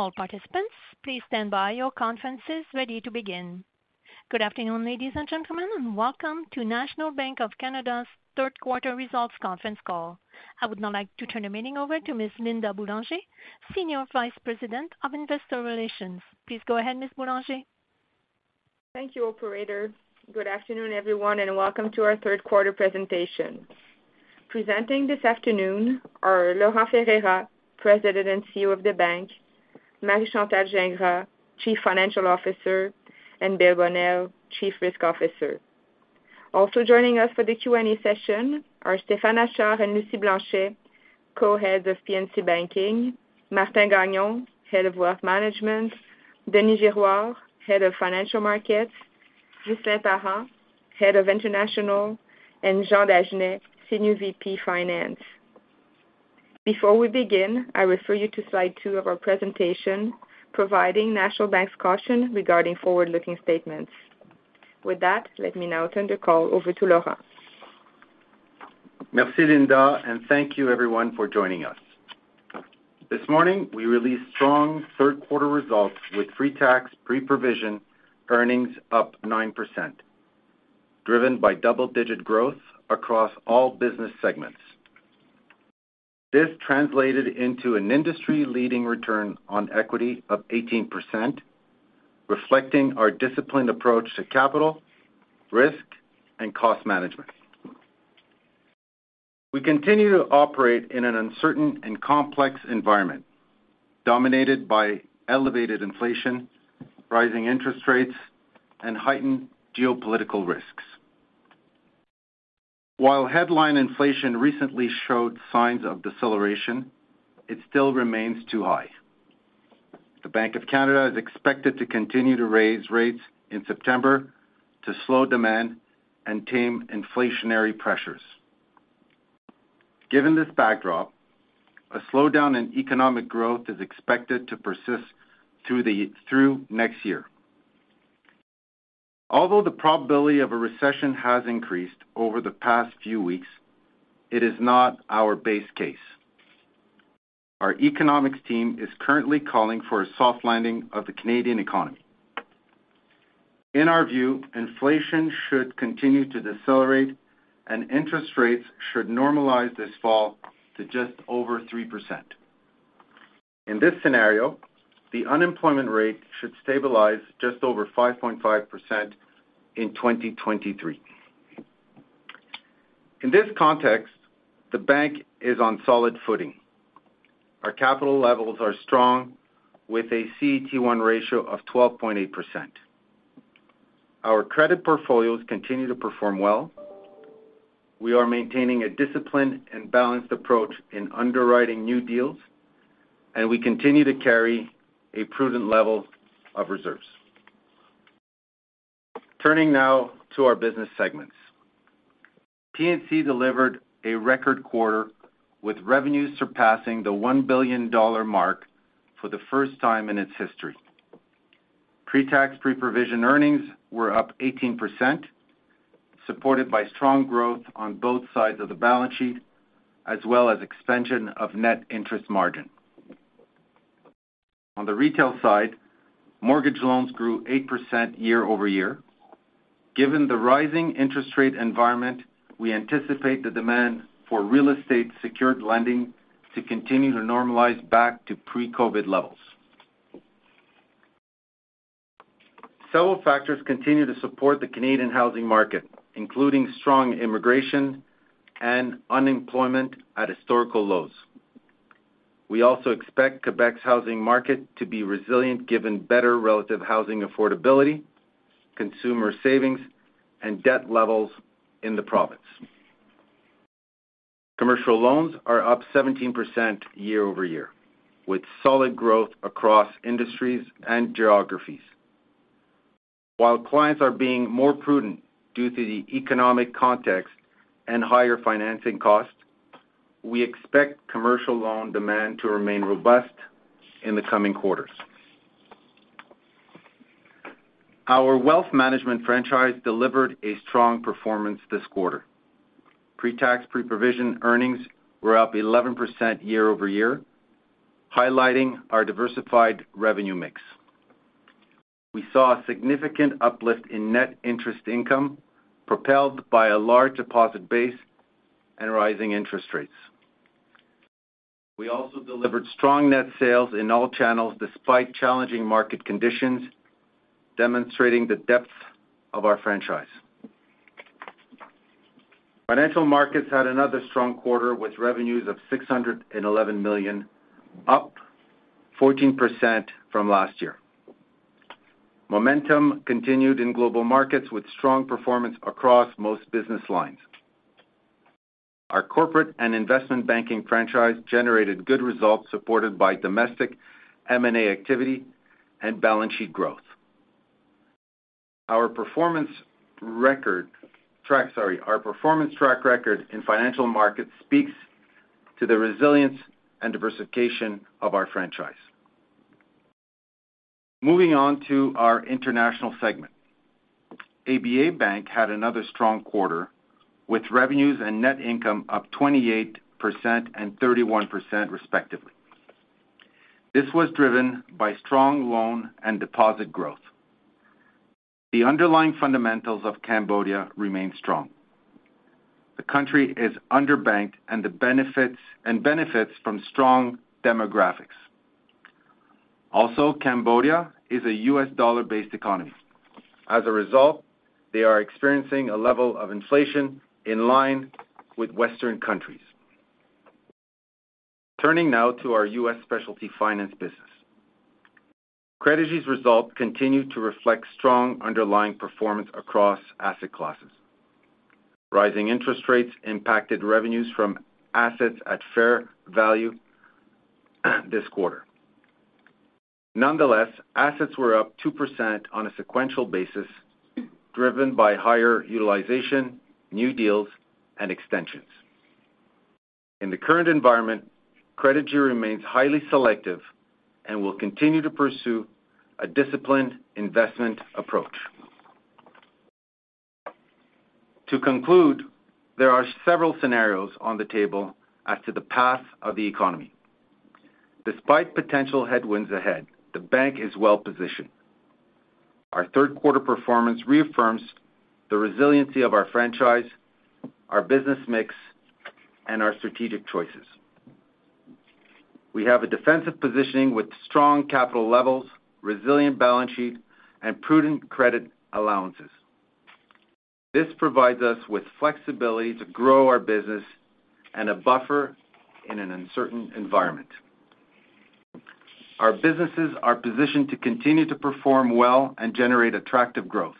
All participants, please stand by. Your conference is ready to begin. Good afternoon, ladies and gentlemen, and welcome to National Bank of Canada's third quarter results conference call. I would now like to turn the meeting over to Ms. Linda Boulanger, Senior Vice President of Investor Relations. Please go ahead, Ms. Boulanger. Thank you, operator. Good afternoon, everyone, and welcome to our third quarter presentation. Presenting this afternoon are Laurent Ferreira, President and CEO of the bank, Marie Chantal Gingras, Chief Financial Officer, and Bill Bonnell, Chief Risk Officer. Also joining us for the Q&A session are Stéphane Achard and Lucie Blanchet, Co-Heads of P&C Banking, Martin Gagnon, Head of Wealth Management, Denis Girouard, Head of Financial Markets, Ghislain Parent, Head of International, and Jean Dagenais, Senior VP Finance. Before we begin, I refer you to slide two of our presentation, providing National Bank's caution regarding forward-looking statements. With that, let me now turn the call over to Laurent. Merci, Linda, and thank you everyone for joining us. This morning, we released strong third quarter results with pre-tax/pre-provision earnings up 9%, driven by double-digit growth across all business segments. This translated into an industry-leading return on equity of 18%, reflecting our disciplined approach to capital, risk, and cost management. We continue to operate in an uncertain and complex environment dominated by elevated inflation, rising interest rates, and heightened geopolitical risks. While headline inflation recently showed signs of deceleration, it still remains too high. The Bank of Canada is expected to continue to raise rates in September to slow demand and tame inflationary pressures. Given this backdrop, a slowdown in economic growth is expected to persist through next year. Although the probability of a recession has increased over the past few weeks, it is not our base case. Our economics team is currently calling for a soft landing of the Canadian economy. In our view, inflation should continue to decelerate and interest rates should normalize this fall to just over 3%. In this scenario, the unemployment rate should stabilize just over 5.5% in 2023. In this context, the bank is on solid footing. Our capital levels are strong, with a CET1 ratio of 12.8%. Our credit portfolios continue to perform well. We are maintaining a disciplined and balanced approach in underwriting new deals, and we continue to carry a prudent level of reserves. Turning now to our business segments. P&C delivered a record quarter with revenue surpassing the 1 billion dollar mark for the first time in its history. Pre-tax/pre-provision earnings were up 18%, supported by strong growth on both sides of the balance sheet, as well as expansion of net interest margin. On the retail side, mortgage loans grew 8% year-over-year. Given the rising interest rate environment, we anticipate the demand for real estate secured lending to continue to normalize back to pre-COVID levels. Several factors continue to support the Canadian housing market, including strong immigration and unemployment at historical lows. We also expect Quebec's housing market to be resilient, given better relative housing affordability, consumer savings, and debt levels in the province. Commercial loans are up 17% year-over-year, with solid growth across industries and geographies. While clients are being more prudent due to the economic context and higher financing costs, we expect commercial loan demand to remain robust in the coming quarters. Our wealth management franchise delivered a strong performance this quarter. Pre-tax/pre-provision earnings were up 11% year-over-year, highlighting our diversified revenue mix. We saw a significant uplift in net interest income, propelled by a large deposit base and rising interest rates. We also delivered strong net sales in all channels despite challenging market conditions, demonstrating the depth of our franchise. Financial Markets had another strong quarter, with revenues of 611 million, up 14% from last year. Momentum continued in global markets with strong performance across most business lines. Our corporate and investment banking franchise generated good results supported by domestic M&A activity and balance sheet growth. Our performance track record in Financial Markets speaks to the resilience and diversification of our franchise. Moving on to our international segment. ABA Bank had another strong quarter, with revenues and net income up 28% and 31% respectively. This was driven by strong loan and deposit growth. The underlying fundamentals of Cambodia remain strong. The country is underbanked and benefits from strong demographics. Also, Cambodia is a US dollar-based economy. As a result, they are experiencing a level of inflation in line with Western countries. Turning now to our US specialty finance business. Credigy's result continued to reflect strong underlying performance across asset classes. Rising interest rates impacted revenues from assets at fair value this quarter. Nonetheless, assets were up 2% on a sequential basis, driven by higher utilization, new deals, and extensions. In the current environment, Credigy remains highly selective and will continue to pursue a disciplined investment approach. To conclude, there are several scenarios on the table as to the path of the economy. Despite potential headwinds ahead, the bank is well-positioned. Our third quarter performance reaffirms the resiliency of our franchise, our business mix, and our strategic choices. We have a defensive positioning with strong capital levels, resilient balance sheet, and prudent credit allowances. This provides us with flexibility to grow our business and a buffer in an uncertain environment. Our businesses are positioned to continue to perform well and generate attractive growth.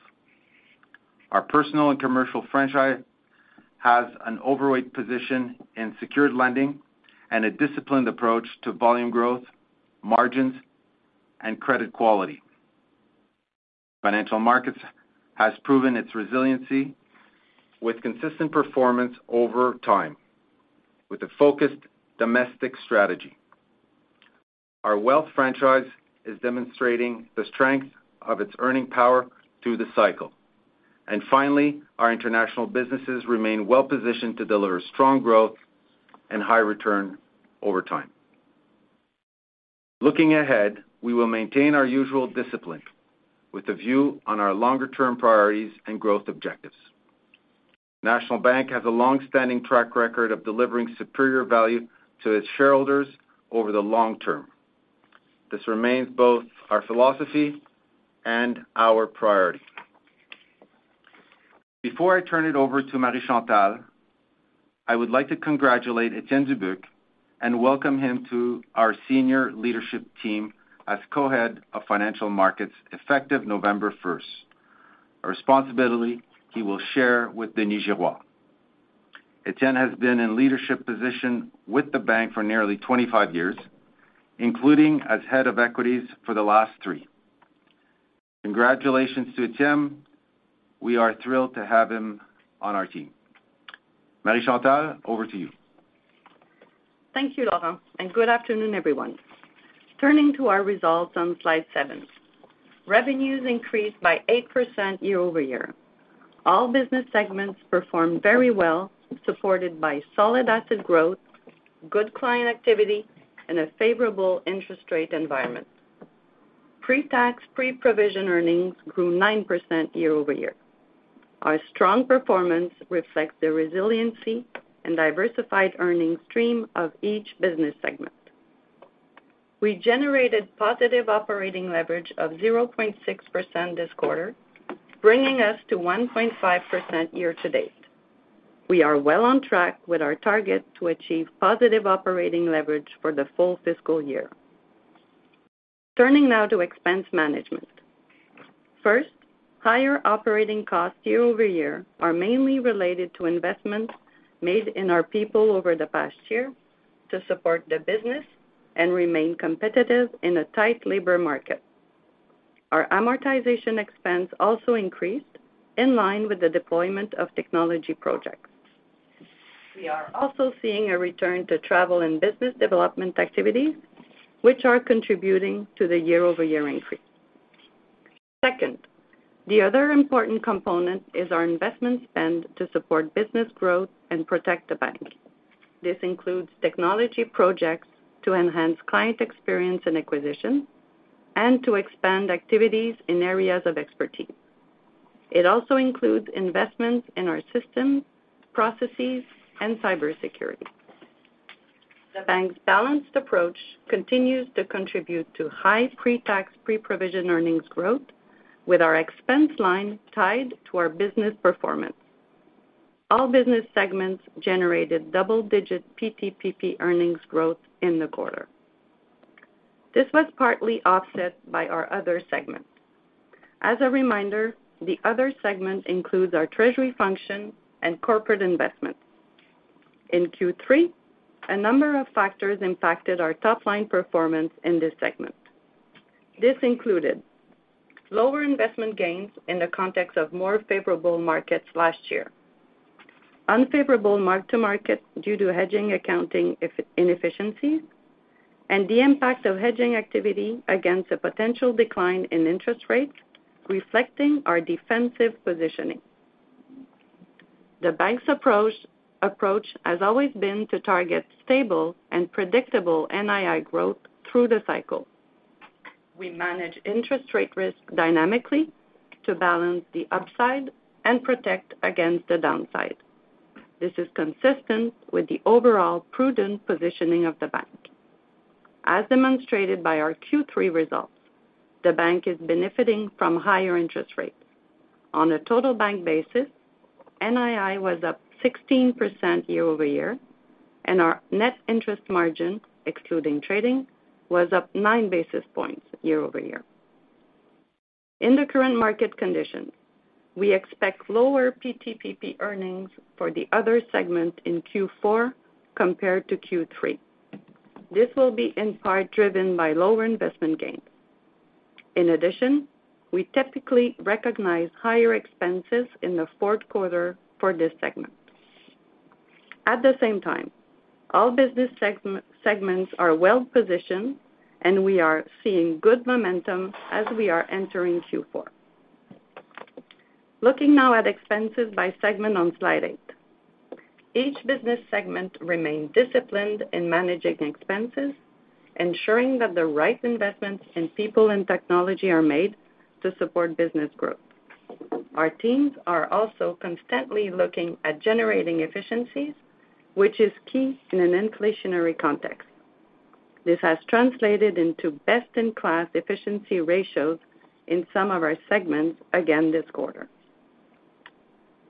Our Personal and Commercial franchise has an overweight position in secured lending and a disciplined approach to volume growth, margins, and credit quality. Financial Markets has proven its resiliency with consistent performance over time, with a focused domestic strategy. Our Wealth franchise is demonstrating the strength of its earning power through the cycle. Finally, our international businesses remain well-positioned to deliver strong growth and high return over time. Looking ahead, we will maintain our usual discipline with a view on our longer-term priorities and growth objectives. National Bank has a long-standing track record of delivering superior value to its shareholders over the long term. This remains both our philosophy and our priority. Before I turn it over to Marie Chantal, I would like to congratulate Étienne Dubuc and welcome him to our senior leadership team as co-head of Financial Markets effective November first, a responsibility he will share with Denis Girouard. Étienne has been in leadership position with the bank for nearly 25 years, including as head of equities for the last 3. Congratulations to Étienne. We are thrilled to have him on our team. Marie Chantal, over to you. Thank you, Laurent, and good afternoon, everyone. Turning to our results on slide 7. Revenues increased by 8% year-over-year. All business segments performed very well, supported by solid asset growth, good client activity, and a favorable interest rate environment. Pre-tax, pre-provision earnings grew 9% year-over-year. Our strong performance reflects the resiliency and diversified earnings stream of each business segment. We generated positive operating leverage of 0.6% this quarter, bringing us to 1.5% year to date. We are well on track with our target to achieve positive operating leverage for the full fiscal year. Turning now to expense management. First, higher operating costs year-over-year are mainly related to investments made in our people over the past year to support the business and remain competitive in a tight labor market. Our amortization expense also increased in line with the deployment of technology projects. We are also seeing a return to travel and business development activities, which are contributing to the year-over-year increase. Second, the other important component is our investment spend to support business growth and protect the bank. This includes technology projects to enhance client experience and acquisition and to expand activities in areas of expertise. It also includes investments in our systems, processes, and cybersecurity. The bank's balanced approach continues to contribute to high pre-tax, pre-provision earnings growth with our expense line tied to our business performance. All business segments generated double-digit PTPP earnings growth in the quarter. This was partly offset by our other segment. As a reminder, the other segment includes our treasury function and corporate investment. In Q3, a number of factors impacted our top-line performance in this segment. This included lower investment gains in the context of more favorable markets last year. Unfavorable mark to market due to hedging accounting inefficiencies and the impact of hedging activity against a potential decline in interest rates, reflecting our defensive positioning. The bank's approach has always been to target stable and predictable NII growth through the cycle. We manage interest rate risk dynamically to balance the upside and protect against the downside. This is consistent with the overall prudent positioning of the bank. As demonstrated by our Q3 results, the bank is benefiting from higher interest rates. On a total bank basis, NII was up 16% year-over-year, and our net interest margin, excluding trading, was up nine basis points year-over-year. In the current market conditions, we expect lower PTPP earnings for the other segment in Q4 compared to Q3. This will be in part driven by lower investment gains. In addition, we typically recognize higher expenses in the fourth quarter for this segment. At the same time, all business segments are well-positioned, and we are seeing good momentum as we are entering Q4. Looking now at expenses by segment on slide 8. Each business segment remained disciplined in managing expenses, ensuring that the right investments in people and technology are made to support business growth. Our teams are also constantly looking at generating efficiencies, which is key in an inflationary context. This has translated into best-in-class efficiency ratios in some of our segments again this quarter.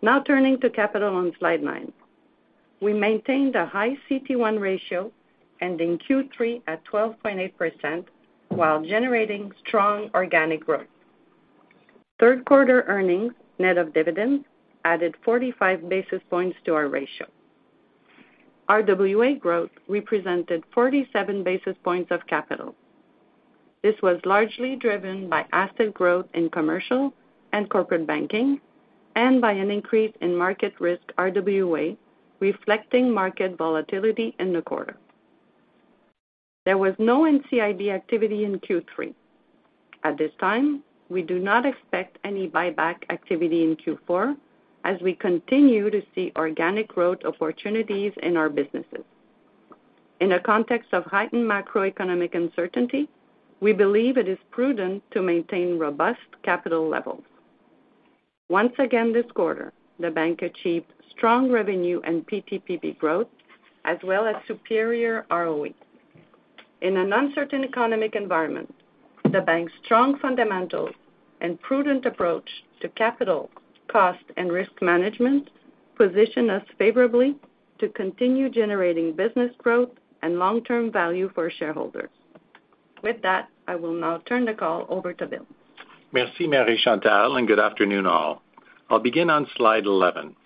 Now turning to capital on slide 9. We maintained a high CET1 ratio, ending Q3 at 12.8% while generating strong organic growth. Third quarter earnings, net of dividends, added 45 basis points to our ratio. RWA growth represented 47 basis points of capital. This was largely driven by asset growth in commercial and corporate banking and by an increase in market risk RWA, reflecting market volatility in the quarter. There was no NCIB activity in Q3. At this time, we do not expect any buyback activity in Q4 as we continue to see organic growth opportunities in our businesses. In a context of heightened macroeconomic uncertainty, we believe it is prudent to maintain robust capital levels. Once again this quarter, the bank achieved strong revenue and PTPP growth, as well as superior ROE. In an uncertain economic environment, the bank's strong fundamentals and prudent approach to capital, cost, and risk management position us favorably to continue generating business growth and long-term value for shareholders. With that, I will now turn the call over to Bill. Merci, Marie Chantal, and good afternoon, all. I'll begin on slide 11.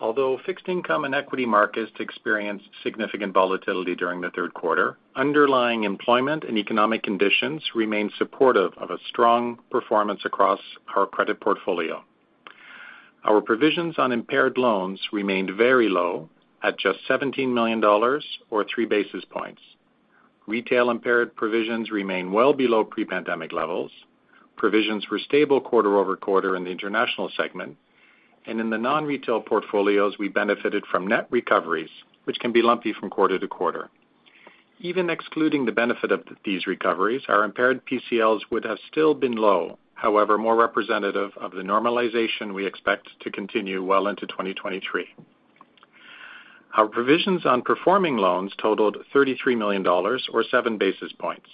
Although fixed income and equity markets experienced significant volatility during the third quarter, underlying employment and economic conditions remained supportive of a strong performance across our credit portfolio. Our provisions on impaired loans remained very low at just 17 million dollars or 3 basis points. Retail impaired provisions remain well below pre-pandemic levels. Provisions were stable quarter-over-quarter in the international segment, and in the non-retail portfolios, we benefited from net recoveries, which can be lumpy from quarter to quarter. Even excluding the benefit of these recoveries, our impaired PCLs would have still been low, however more representative of the normalization we expect to continue well into 2023. Our provisions on performing loans totaled 33 million dollars or 7 basis points.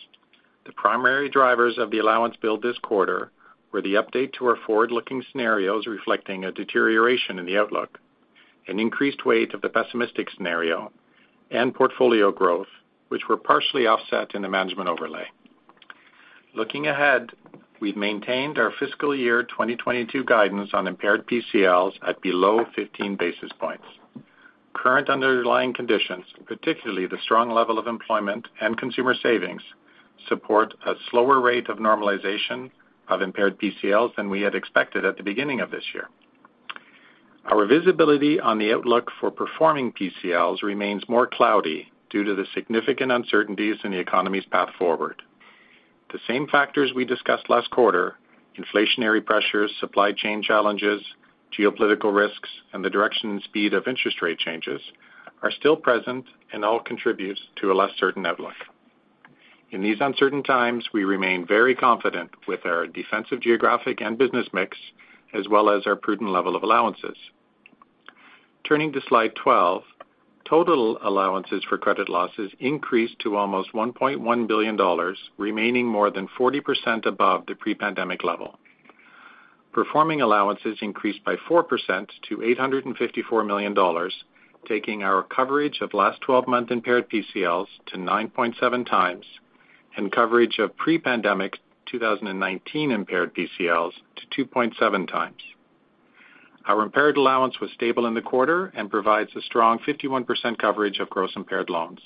The primary drivers of the allowance build this quarter were the update to our forward-looking scenarios reflecting a deterioration in the outlook, an increased weight of the pessimistic scenario and portfolio growth, which were partially offset in the management overlay. Looking ahead, we've maintained our fiscal year 2022 guidance on impaired PCLs at below 15 basis points. Current underlying conditions, particularly the strong level of employment and consumer savings, support a slower rate of normalization of impaired PCLs than we had expected at the beginning of this year. Our visibility on the outlook for performing PCLs remains more cloudy due to the significant uncertainties in the economy's path forward. The same factors we discussed last quarter, inflationary pressures, supply chain challenges, geopolitical risks, and the direction and speed of interest rate changes, are still present and all contributes to a less certain outlook. In these uncertain times, we remain very confident with our defensive geographic and business mix, as well as our prudent level of allowances. Turning to slide 12. Total allowances for credit losses increased to almost 1.1 billion dollars, remaining more than 40% above the pre-pandemic level. Performing allowances increased by 4% to CAD 854 million, taking our coverage of last 12-month impaired PCLs to 9.7 times, and coverage of pre-pandemic 2019 impaired PCLs to 2.7 times. Our impaired allowance was stable in the quarter and provides a strong 51% coverage of gross impaired loans.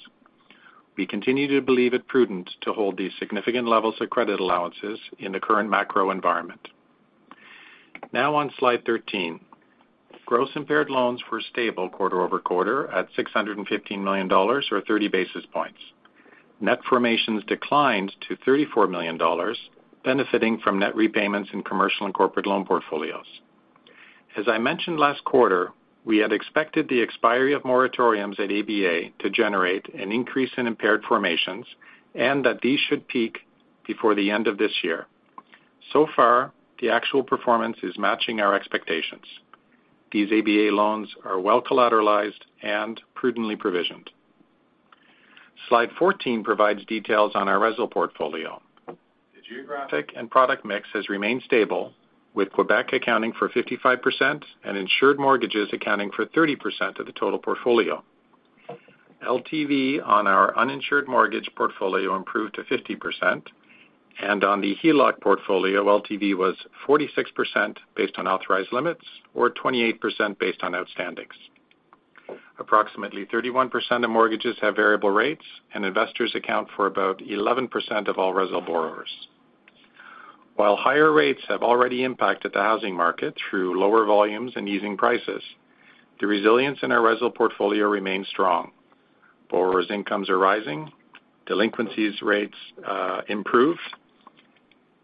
We continue to believe it prudent to hold these significant levels of credit allowances in the current macro environment. Now on slide 13. Gross impaired loans were stable quarter-over-quarter at 615 million dollars or 30 basis points. Net formations declined to 34 million dollars, benefiting from net repayments in commercial and corporate loan portfolios. As I mentioned last quarter, we had expected the expiry of moratoriums at ABA to generate an increase in impaired formations and that these should peak before the end of this year. So far, the actual performance is matching our expectations. These ABA loans are well collateralized and prudently provisioned. Slide 14 provides details on our resi portfolio. The geographic and product mix has remained stable, with Quebec accounting for 55% and insured mortgages accounting for 30% of the total portfolio. LTV on our uninsured mortgage portfolio improved to 50%, and on the HELOC portfolio, LTV was 46% based on authorized limits or 28% based on outstandings. Approximately 31% of mortgages have variable rates, and investors account for about 11% of all resi borrowers. While higher rates have already impacted the housing market through lower volumes and easing prices, the resilience in our resi portfolio remains strong. Borrowers incomes are rising, delinquency rates improve,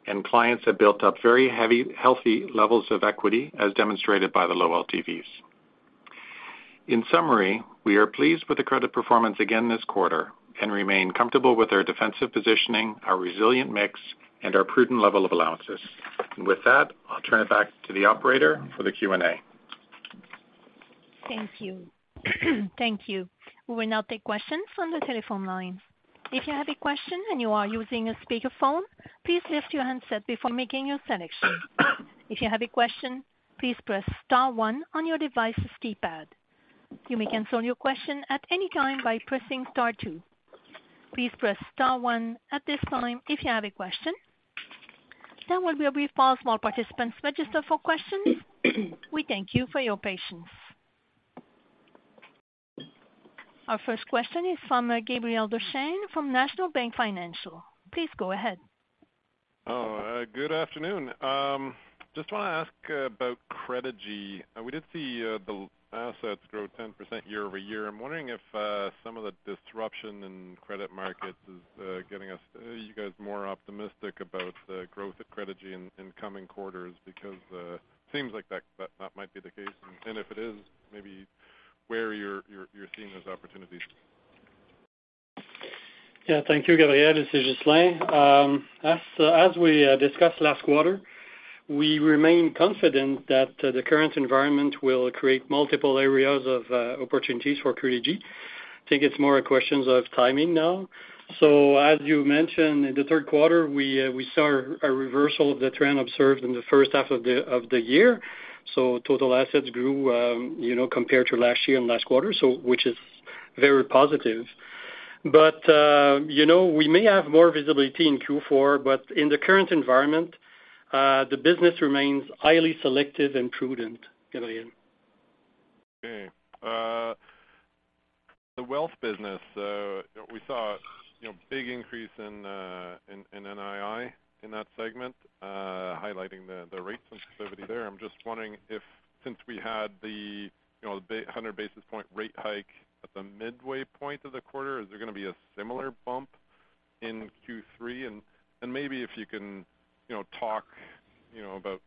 and clients have built up very heavy, healthy levels of equity, as demonstrated by the low LTVs. In summary, we are pleased with the credit performance again this quarter and remain comfortable with our defensive positioning, our resilient mix and our prudent level of allowances. With that, I'll turn it back to the operator for the Q&A. Thank you. We will now take questions from the telephone line. If you have a question and you are using a speakerphone, please lift your handset before making your selection. If you have a question, please press star one on your device's keypad. You may cancel your question at any time by pressing star two. Please press star one at this time if you have a question. There will be a brief pause while participants register for questions. We thank you for your patience. Our first question is from Gabriel Dechaine from National Bank Financial. Please go ahead. Good afternoon. Just want to ask about Credigy. We did see the assets grow 10% year-over-year. I'm wondering if some of the disruption in credit markets is getting us, you guys more optimistic about the growth at Credigy in coming quarters, because seems like that might be the case. If it is, maybe where you're seeing those opportunities. Yeah. Thank you, Gabriel. This is Ghislain. As we discussed last quarter, we remain confident that the current environment will create multiple areas of opportunities for Credigy. I think it's more a question of timing now. As you mentioned in the third quarter, we saw a reversal of the trend observed in the first half of the year. Total assets grew, you know, compared to last year and last quarter, which is very positive. You know, we may have more visibility in Q4, but in the current environment, the business remains highly selective and prudent, Gabriel. Okay. The wealth business, we saw, you know, big increase in in NII in that segment, highlighting the rate sensitivity there. I'm just wondering if since we had, you know, the 100 basis points rate hike at the midway point of the quarter, is there gonna be a similar bump in Q3? Maybe if you can, you know, talk about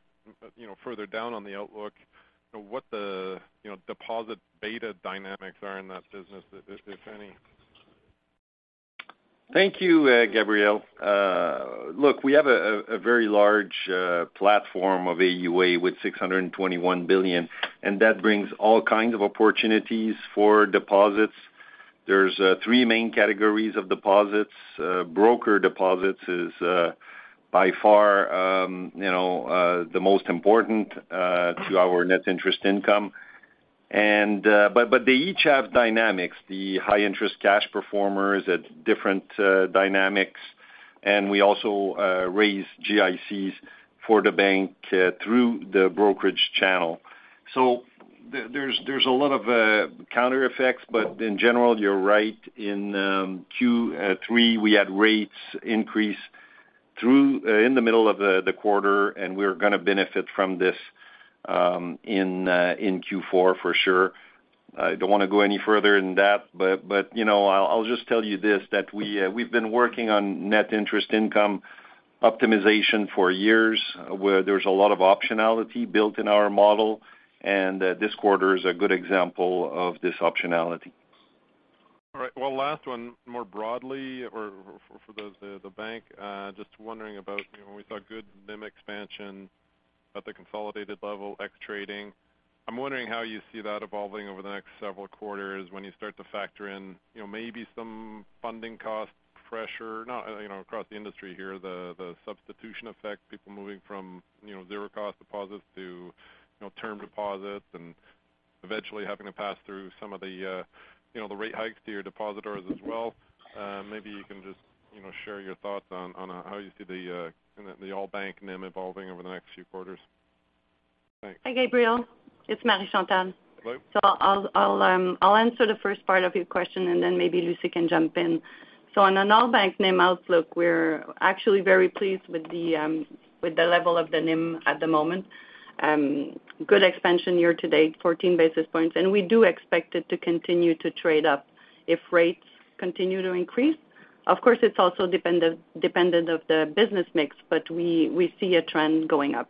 further down on the outlook, what the deposit beta dynamics are in that business, if any. Thank you, Gabriel. Look, we have a very large platform of AUA with 621 billion, and that brings all kinds of opportunities for deposits. There's three main categories of deposits. Broker deposits is by far, you know, the most important to our net interest income. But they each have dynamics. The high interest cash performers have different dynamics. We also raise GICs for the bank through the brokerage channel. There's a lot of counter effects. In general, you're right. In Q3, we had rates increase in the middle of the quarter and we're gonna benefit from this in Q4 for sure. I don't want to go any further than that, but you know, I'll just tell you this, that we've been working on net interest income optimization for years, where there's a lot of optionality built in our model, and this quarter is a good example of this optionality. All right. Well, last one more broadly or for those at the bank, just wondering about, you know, we saw good NIM expansion at the consolidated level ex trading. I'm wondering how you see that evolving over the next several quarters when you start to factor in, you know, maybe some funding cost pressure now across the industry here, the substitution effect, people moving from, you know, zero cost deposits to, you know, term deposits and eventually having to pass through some of the, you know, the rate hikes to your depositors as well. Maybe you can just, you know, share your thoughts on how you see the all bank NIM evolving over the next few quarters. Hi Gabriel, it's Marie Chantal. Hello. I'll answer the first part of your question, and then maybe Lucie can jump in. On an all bank NIM outlook, we're actually very pleased with the level of the NIM at the moment. Good expansion year-to-date, 14 basis points, and we do expect it to continue to trade up if rates continue to increase. Of course, it's also dependent on the business mix, but we see a trend going up.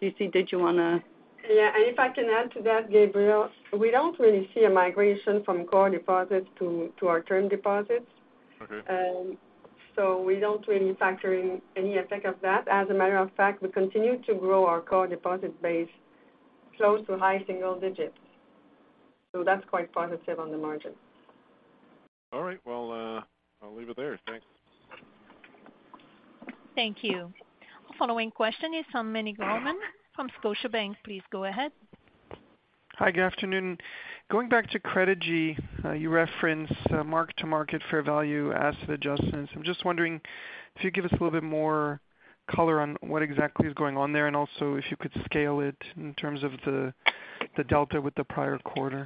Lucie, did you wanna? Yeah. If I can add to that, Gabriel, we don't really see a migration from core deposits to our term deposits. Okay. We don't really factor in any effect of that. As a matter of fact, we continue to grow our core deposit base close to high single digits%. That's quite positive on the margin. All right, well, I'll leave it there. Thanks. Thank you. Following question is from Meny Grauman from Scotiabank. Please go ahead. Hi, good afternoon. Going back to Credigy, you referenced mark-to-market fair value asset adjustments. I'm just wondering if you could give us a little bit more color on what exactly is going on there, and also if you could scale it in terms of the delta with the prior quarter.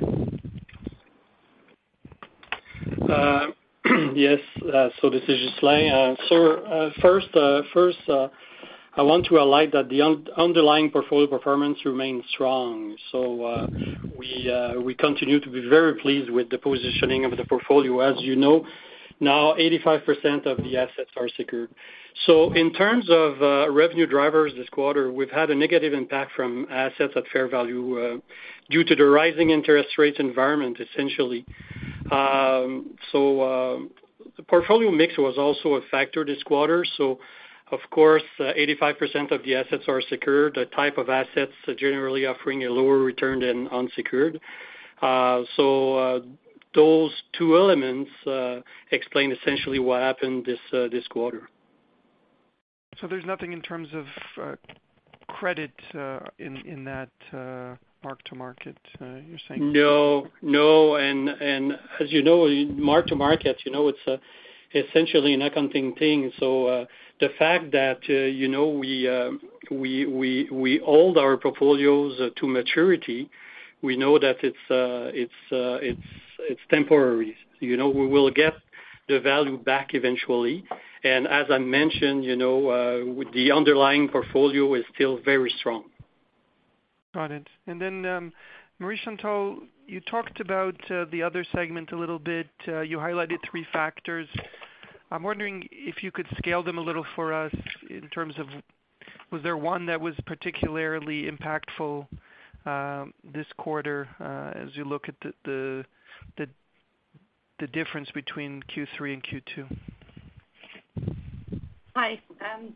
Yes. This is Ghislain Parent. First, I want to highlight that the underlying portfolio performance remains strong. We continue to be very pleased with the positioning of the portfolio. As you know, now 85% of the assets are secured. In terms of revenue drivers this quarter, we've had a negative impact from assets at fair value due to the rising interest rates environment, essentially. The portfolio mix was also a factor this quarter. Of course, 85% of the assets are secured. The type of assets are generally offering a lower return than unsecured. Those two elements explain essentially what happened this quarter. There's nothing in terms of credit, in that mark-to-market, you're saying? No. No. As you know, mark-to-market, you know, it's essentially an accounting thing. The fact that, you know, we hold our portfolios to maturity, we know that it's temporary. You know, we will get the value back eventually. As I mentioned, you know, with the underlying portfolio is still very strong. Got it. Marie-Chantal, you talked about the other segment a little bit. You highlighted three factors. I'm wondering if you could scale them a little for us in terms of was there one that was particularly impactful this quarter as you look at the difference between Q3 and Q2? Hi,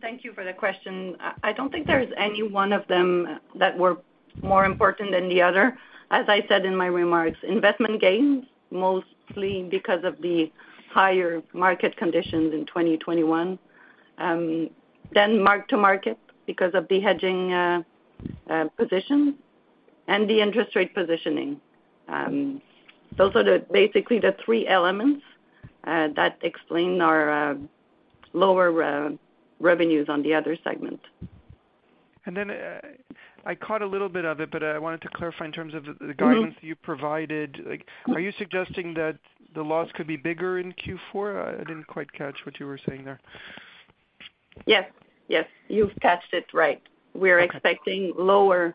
thank you for the question. I don't think there's any one of them that were more important than the other. As I said in my remarks, investment gains, mostly because of the higher market conditions in 2021, then mark-to-market because of the hedging position and the interest rate positioning. Those are the, basically the three elements that explain our lower revenues on the other segment. Then, I caught a little bit of it, but I wanted to clarify in terms of the guidance you provided. Like, are you suggesting that the loss could be bigger in Q4? I didn't quite catch what you were saying there. Yes. You've caught it right. Okay. We're expecting lower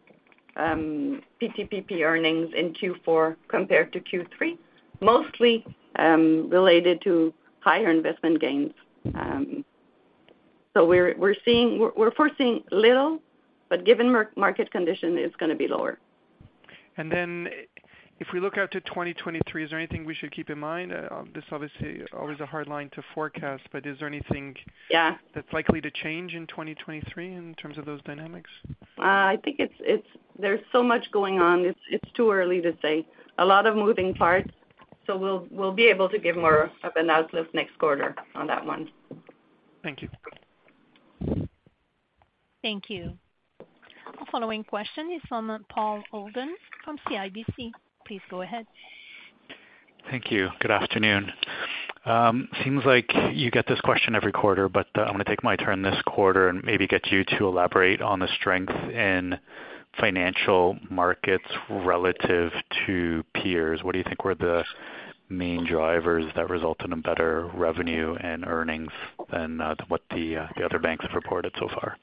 PTPP earnings in Q4 compared to Q3, mostly related to higher investment gains. We're foreseeing little, but given market condition, it's gonna be lower. If we look out to 2023, is there anything we should keep in mind? This obviously always a hard line to forecast, but is there anything? Yeah That's likely to change in 2023 in terms of those dynamics? I think it's, there's so much going on, it's too early to say. A lot of moving parts, so we'll be able to give more of an outlook next quarter on that one. Thank you. Thank you. Following question is from Paul Holden from CIBC. Please go ahead. Thank you. Good afternoon. Seems like you get this question every quarter. I'm gonna take my turn this quarter and maybe get you to elaborate on the strength in Financial Markets relative to peers. What do you think were the main drivers that result in a better revenue and earnings than what the other banks have reported so far?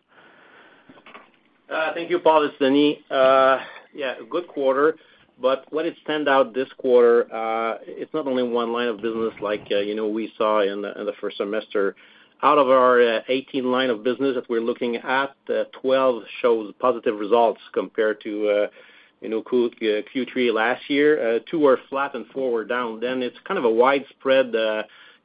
Thank you, Paul. It's Denis. Yeah, good quarter, but what stands out this quarter, it's not only one line of business like, you know, we saw in the first half. Out of our 18 lines of business that we're looking at, 12 show positive results compared to, you know, Q3 last year. Two were flat and four were down. It's kind of a widespread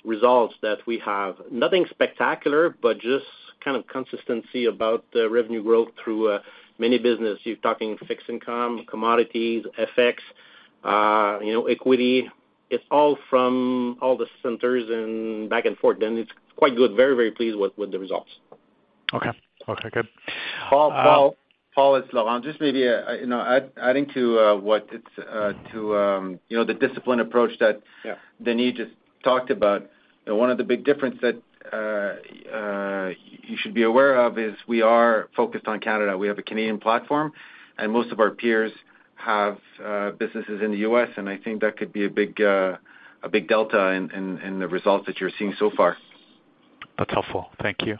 results that we have. Nothing spectacular, but just kind of consistent revenue growth through many businesses. You're talking fixed income, commodities, FX, you know, equity. It's all from all the centers and back and forth. It's quite good. Very pleased with the results. Okay. Okay, good. Paul, it's Laurent. Just maybe, you know, adding to what it's to, you know, the disciplined approach that Yeah Denis just talked about. One of the big difference that you should be aware of is we are focused on Canada. We have a Canadian platform, and most of our peers- Have businesses in the U.S., and I think that could be a big delta in the results that you're seeing so far. That's helpful. Thank you.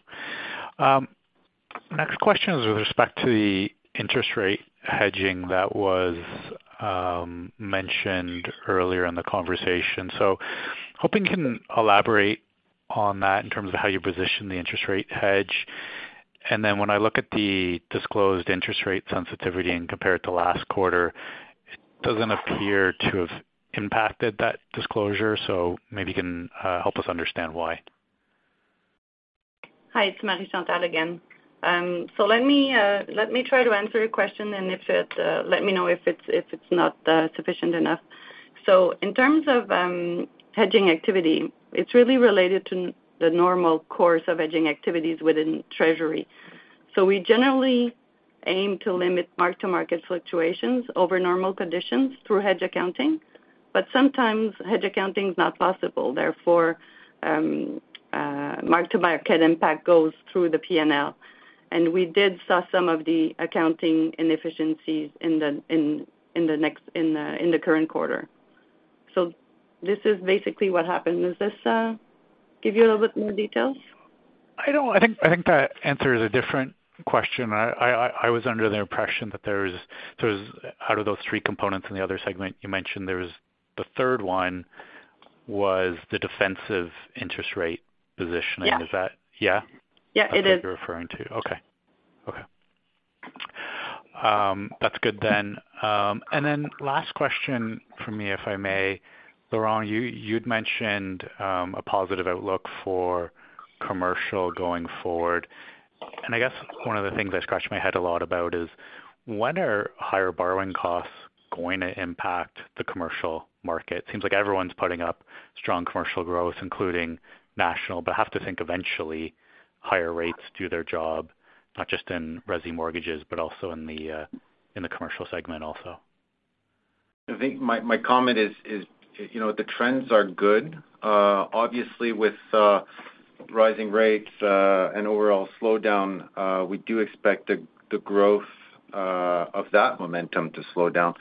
Next question is with respect to the interest rate hedging that was mentioned earlier in the conversation. Hoping you can elaborate on that in terms of how you position the interest rate hedge. When I look at the disclosed interest rate sensitivity and compare it to last quarter, it doesn't appear to have impacted that disclosure, so maybe can help us understand why. Hi, it's Marie Chantal again. Let me try to answer your question, and if it, let me know if it's not sufficient enough. In terms of hedging activity, it's really related to the normal course of hedging activities within treasury. We generally aim to limit mark-to-market fluctuations over normal conditions through hedge accounting, but sometimes hedge accounting is not possible. Therefore, mark to market impact goes through the P&L. We did saw some of the accounting inefficiencies in the current quarter. This is basically what happened. Does this give you a little bit more details? I think that answers a different question. I was under the impression that there's out of those three components in the other segment you mentioned, there was the third one was the defensive interest rate positioning. Yes. Is that? Yeah? Yeah, it is. That's what you're referring to. Okay. That's good then. Last question from me, if I may. Laurent, you'd mentioned a positive outlook for commercial going forward. I guess one of the things I scratch my head a lot about is when are higher borrowing costs going to impact the commercial market? Seems like everyone's putting up strong commercial growth, including National. I have to think eventually higher rates do their job, not just in resi mortgages, but also in the commercial segment also. I think my comment is, you know, the trends are good. Obviously with rising rates and overall slowdown, we do expect the growth of that momentum to slow down.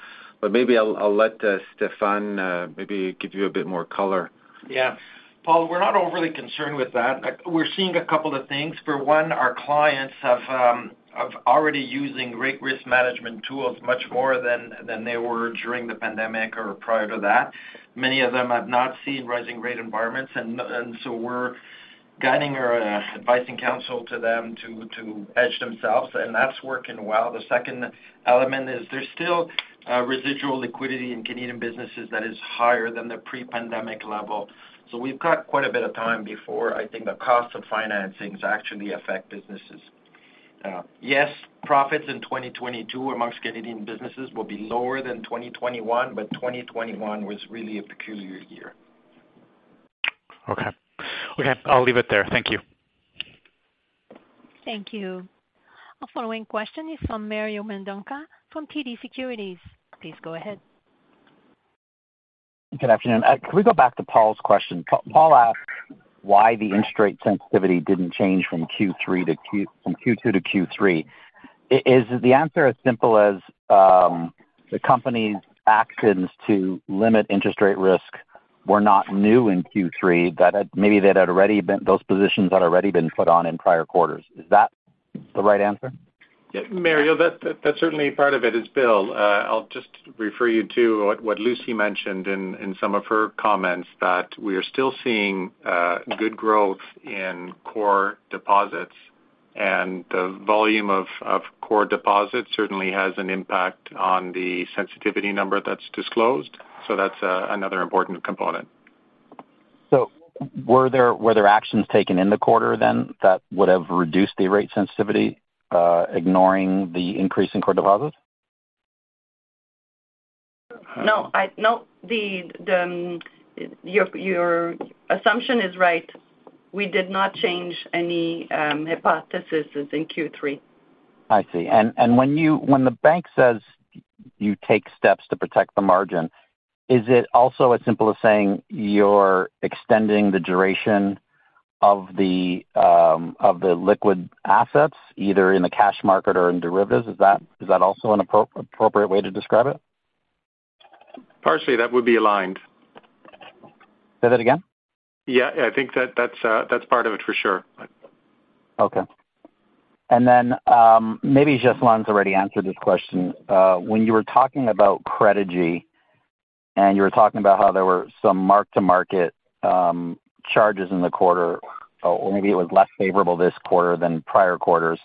Maybe I'll let Stéphane maybe give you a bit more color. Yeah. Paul, we're not overly concerned with that. We're seeing a couple of things. For one, our clients have already using rate risk management tools much more than they were during the pandemic or prior to that. Many of them have not seen rising rate environments, and so we're guiding our advice and counsel to them to hedge themselves, and that's working well. The second element is there's still residual liquidity in Canadian businesses that is higher than the pre-pandemic level. We've got quite a bit of time before, I think, the cost of financings actually affect businesses. Yes, profits in 2022 among Canadian businesses will be lower than 2021, but 2021 was really a peculiar year. Okay. Okay, I'll leave it there. Thank you. Thank you. Our following question is from Mario Mendonca from TD Securities. Please go ahead. Good afternoon. Can we go back to Paul's question? Paul asked why the interest rate sensitivity didn't change from Q2 to Q3. Is the answer as simple as, the company's actions to limit interest rate risk were not new in Q3, maybe that had already been, those positions had already been put on in prior quarters? Is that the right answer? Yeah, Mario, that's certainly part of it is Bill. I'll just refer you to what Lucie mentioned in some of her comments that we are still seeing good growth in core deposits. The volume of core deposits certainly has an impact on the sensitivity number that's disclosed. That's another important component. Were there actions taken in the quarter then that would have reduced the rate sensitivity, ignoring the increase in core deposits? No. No. Your assumption is right. We did not change any hypothesis in Q3. I see. When the bank says you take steps to protect the margin, is it also as simple as saying you're extending the duration of the liquid assets, either in the cash market or in derivatives? Is that also an appropriate way to describe it? Partially, that would be aligned. Say that again? Yeah. I think that that's part of it for sure. Okay. Maybe Ghislain's already answered this question. When you were talking about Credigy, and you were talking about how there were some mark-to-market charges in the quarter, or maybe it was less favorable this quarter than prior quarters,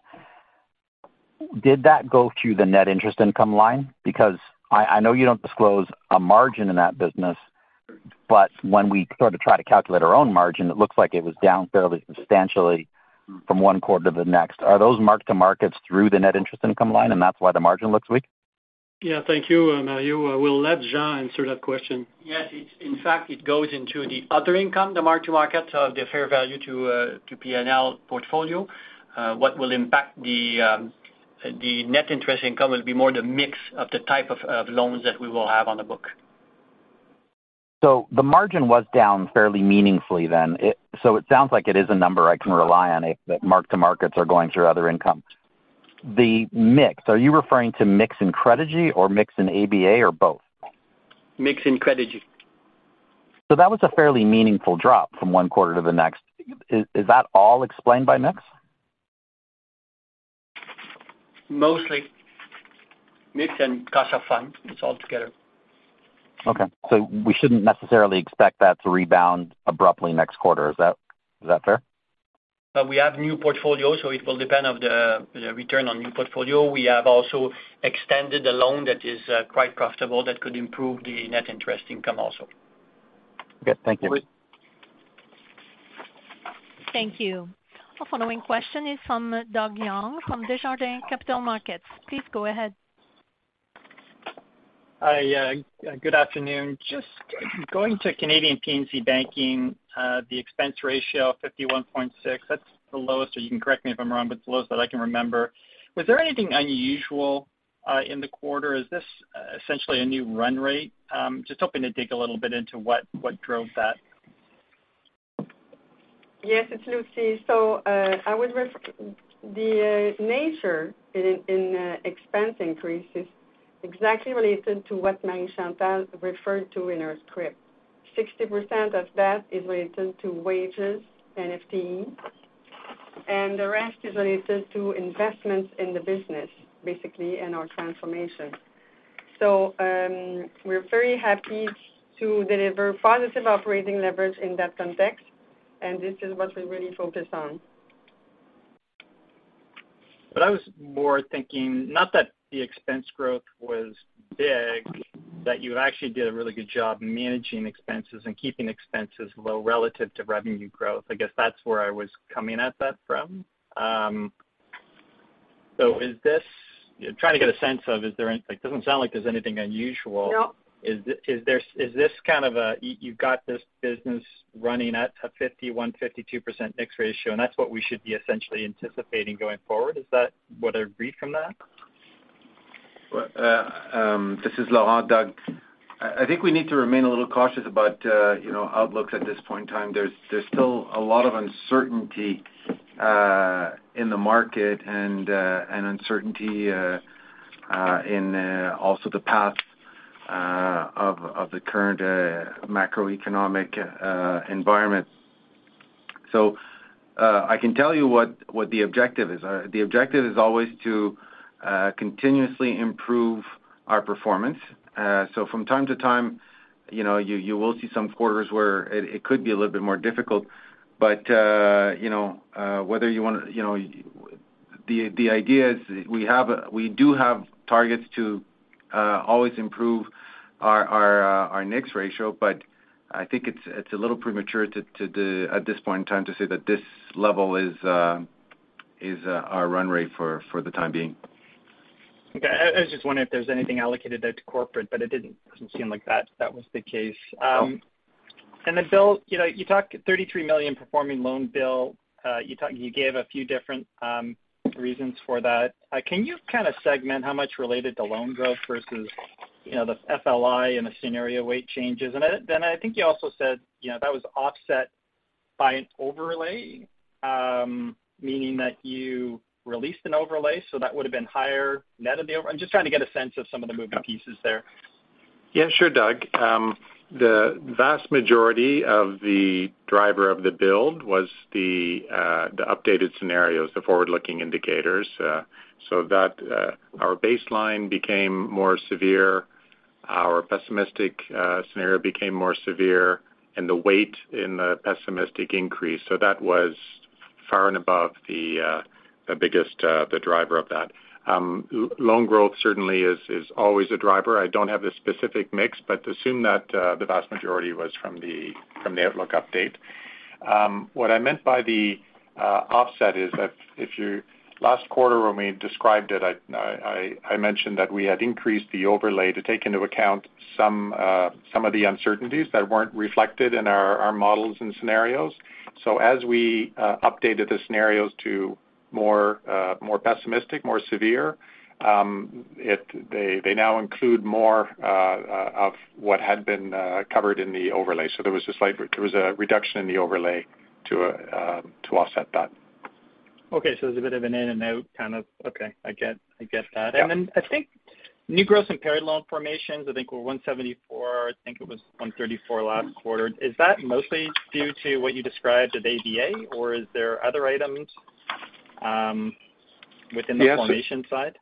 did that go through the net interest income line? Because I know you don't disclose a margin in that business, but when we sort of try to calculate our own margin, it looks like it was down fairly substantially from one quarter to the next. Are those mark-to-markets through the net interest income line, and that's why the margin looks weak? Yeah. Thank you, Mario. I will let Jean answer that question. Yes. In fact, it goes into the other income, the mark-to-market, so the fair value to P&L portfolio. What will impact the net interest income will be more the mix of the type of loans that we will have on the book. The margin was down fairly meaningfully then. It sounds like it is a number I can rely on if the mark-to-markets are going through other income. The mix, are you referring to mix in Credigy or mix in ABA or both? Mix in Credigy. that was a fairly meaningful drop from one quarter to the next. Is that all explained by mix? Mostly. Mix and cash are fine. It's all together. Okay. We shouldn't necessarily expect that to rebound abruptly next quarter. Is that fair? We have new portfolio, so it will depend on the return on new portfolio. We have also extended a loan that is quite profitable that could improve the net interest income also. Okay, thank you. You're welcome Thank you. The following question is from Doug Young from Desjardins Capital Markets. Please go ahead. Hi, good afternoon. Just going to Canadian P&C Banking, the expense ratio of 51.6%. That's the lowest, or you can correct me if I'm wrong, but it's the lowest that I can remember. Was there anything unusual in the quarter? Is this essentially a new run rate? Just hoping to dig a little bit into what drove that. Yes, it's Lucie. The nature of the expense increase is exactly related to what Marie-Chantal referred to in her script. 60% of that is related to wages, FTE, and the rest is related to investments in the business, basically, and our transformation. We're very happy to deliver positive operating leverage in that context, and this is what we really focus on. I was more thinking, not that the expense growth was big, that you actually did a really good job managing expenses and keeping expenses low relative to revenue growth. I guess that's where I was coming at that from. Trying to get a sense of, is there? It doesn't sound like there's anything unusual. No. Is this kind of a, you've got this business running at a 51%-52% mix ratio, and that's what we should be essentially anticipating going forward? Is that what I read from that? Well, this is Laurent, Doug. I think we need to remain a little cautious about, you know, outlooks at this point in time. There's still a lot of uncertainty in the market and an uncertainty also in the path of the current macroeconomic environment. I can tell you what the objective is. The objective is always to continuously improve our performance. From time to time, you know, you will see some quarters where it could be a little bit more difficult. But you know whether you wanna, you know. The idea is we do have targets to always improve our next ratio, but I think it's a little premature to at this point in time to say that this level is our run rate for the time being. Okay. I was just wondering if there's anything allocated at corporate, but it didn't seem like that was the case. Bill, you know, you talked 33 million performing loan build. You gave a few different reasons for that. Can you kind of segment how much related to loan growth versus, you know, the FLI and the scenario weight changes? I think you also said, you know, that was offset by an overlay, meaning that you released an overlay, so that would have been higher net of the overlay. I'm just trying to get a sense of some of the moving pieces there. Yeah, sure, Doug. The vast majority of the driver of the build was the updated scenarios, the forward-looking indicators. That our baseline became more severe, our pessimistic scenario became more severe, and the weight in the pessimistic increased. That was far and above the biggest driver of that. Loan growth certainly is always a driver. I don't have the specific mix, but assume that the vast majority was from the outlook update. What I meant by the offset is that last quarter when we described it, I mentioned that we had increased the overlay to take into account some of the uncertainties that weren't reflected in our models and scenarios. As we updated the scenarios to more pessimistic, more severe, they now include more of what had been covered in the overlay. There was a reduction in the overlay to offset that. Okay. I get that. Yeah. I think new gross impaired loan formations were 174. I think it was 134 last quarter. Is that mostly due to what you described as ABA, or is there other items within the formation side?